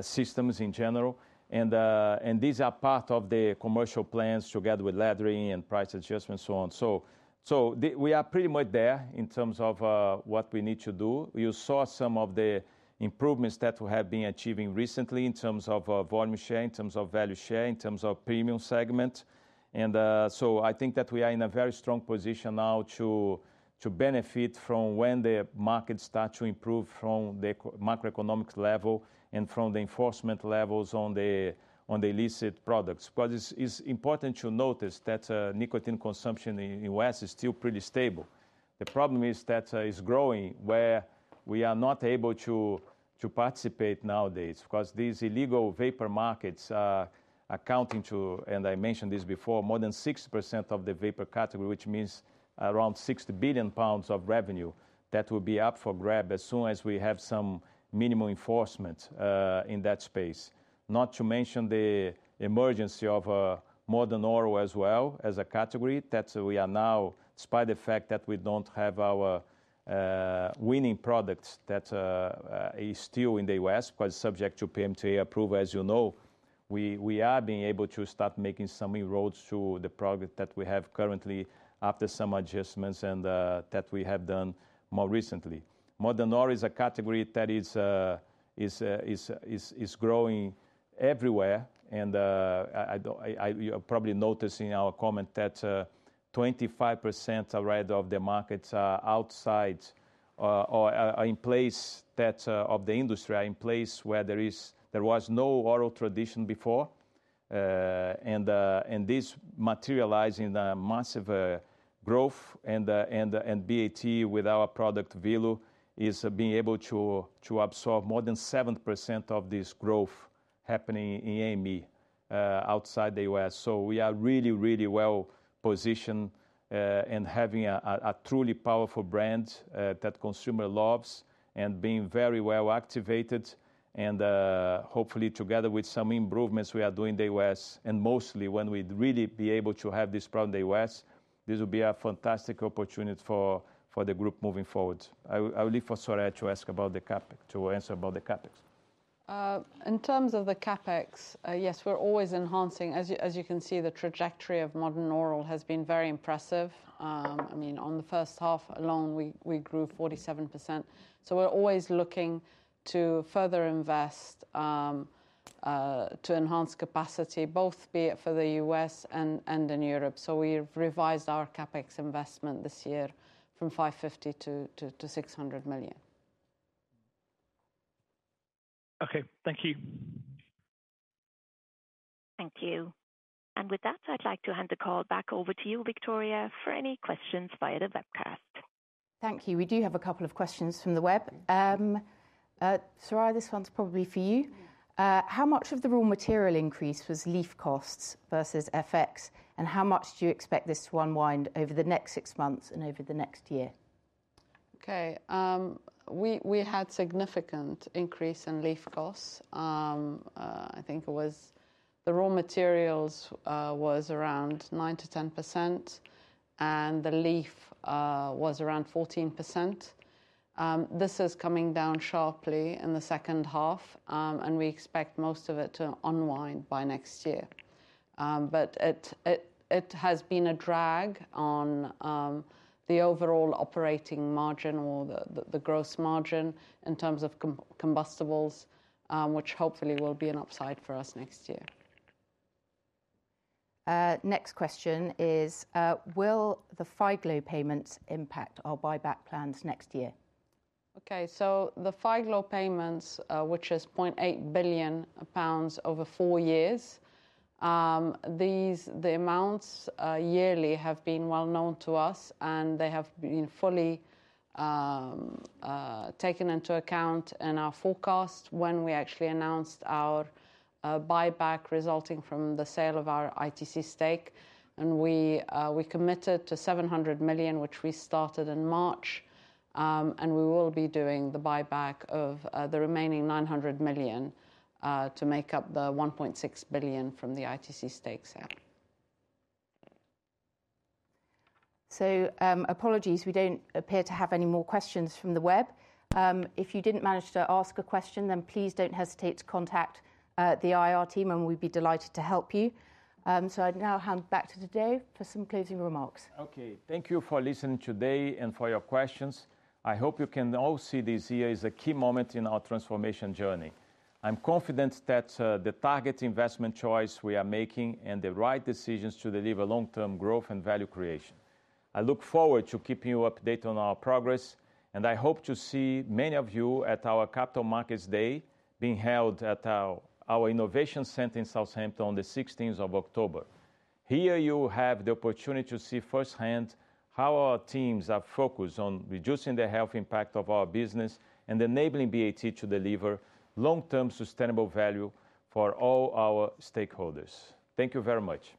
systems in general, and these are part of the commercial plans together with laddering and price adjustments, so on. So, we are pretty much there in terms of what we need to do. You saw some of the improvements that we have been achieving recently in terms of volume share, in terms of value share, in terms of premium segment. And so I think that we are in a very strong position now to benefit from when the market start to improve from the macroeconomic level and from the enforcement levels on the illicit products. But it's important to notice that nicotine consumption in the U.S. is still pretty stable. The problem is that it's growing where we are not able to participate nowadays. Because these illegal vapor markets are accounting to, and I mentioned this before, more than 60% of the vapor category, which means around 60 billion pounds of revenue that will be up for grab as soon as we have some minimal enforcement in that space. Not to mention the emergence of Modern Oral as well as a category that we are now, despite the fact that we don't have our winning products that is still in the U.S., but subject to PMTA approval as you know. We are being able to start making some inroads to the product that we have currently after some adjustments and that we have done more recently. Modern Oral is a category that is growing everywhere, and I. You probably noticed in our comment that 25% already of the markets are outside or are in place that of the industry are in place where there was no oral tradition before. And this materializing the massive growth and BAT with our product, Velo, is being able to absorb more than 7% of this growth happening in ME outside the U.S.. So we are really, really well positioned and having a truly powerful brand that consumer loves and being very well activated, and hopefully together with some improvements we are doing in the U.S.. And mostly when we'd really be able to have this product in the U.S., this will be a fantastic opportunity for the group moving forward. I will leave for Soraya to answer about the CapEx. In terms of the CapEx, yes, we're always enhancing. As you, as you can see, the trajectory of Modern Oral has been very impressive. I mean, on the first half alone, we, we grew 47%. So we're always looking to further invest, to enhance capacity, both be it for the U.S. and, and in Europe. So we've revised our CapEx investment this year from 550 million to 600 million. Okay. Thank you. Thank you. With that, I'd like to hand the call back over to you, Victoria, for any questions via the webcast. Thank you. We do have a couple of questions from the web. Soraya, this one's probably for you. How much of the raw material increase was leaf costs versus FX? And how much do you expect this to unwind over the next six months and over the next year? Okay, we had significant increase in leaf costs. I think it was the raw materials was around 9%-10%, and the leaf was around 14%. This is coming down sharply in the second half, and we expect most of it to unwind by next year. But it has been a drag on the overall operating margin or the gross margin in terms of combustibles, which hopefully will be an upside for us next year. Next question is, will the FII GLO payments impact our buyback plans next year? Okay, so the FII GLO payments, which is 0.8 billion pounds over 4 years, these, the amounts, yearly have been well known to us, and they have been fully taken into account in our forecast when we actually announced our buyback resulting from the sale of our ITC stake. We committed to 700 million, which we started in March, and we will be doing the buyback of the remaining 900 million to make up the 1.6 billion from the ITC stake sale. So, apologies, we don't appear to have any more questions from the web. If you didn't manage to ask a question, then please don't hesitate to contact the IR team, and we'd be delighted to help you. So I'd now hand back to Tadeu for some closing remarks. Okay. Thank you for listening today and for your questions. I hope you can all see this year is a key moment in our transformation journey. I'm confident that the target investment choice we are making and the right decisions to deliver long-term growth and value creation. I look forward to keeping you updated on our progress, and I hope to see many of you at our Capital Markets Day being held at our innovation center in Southampton on the 16th of October. Here you have the opportunity to see firsthand how our teams are focused on reducing the health impact of our business and enabling BAT to deliver long-term sustainable value for all our stakeholders. Thank you very much.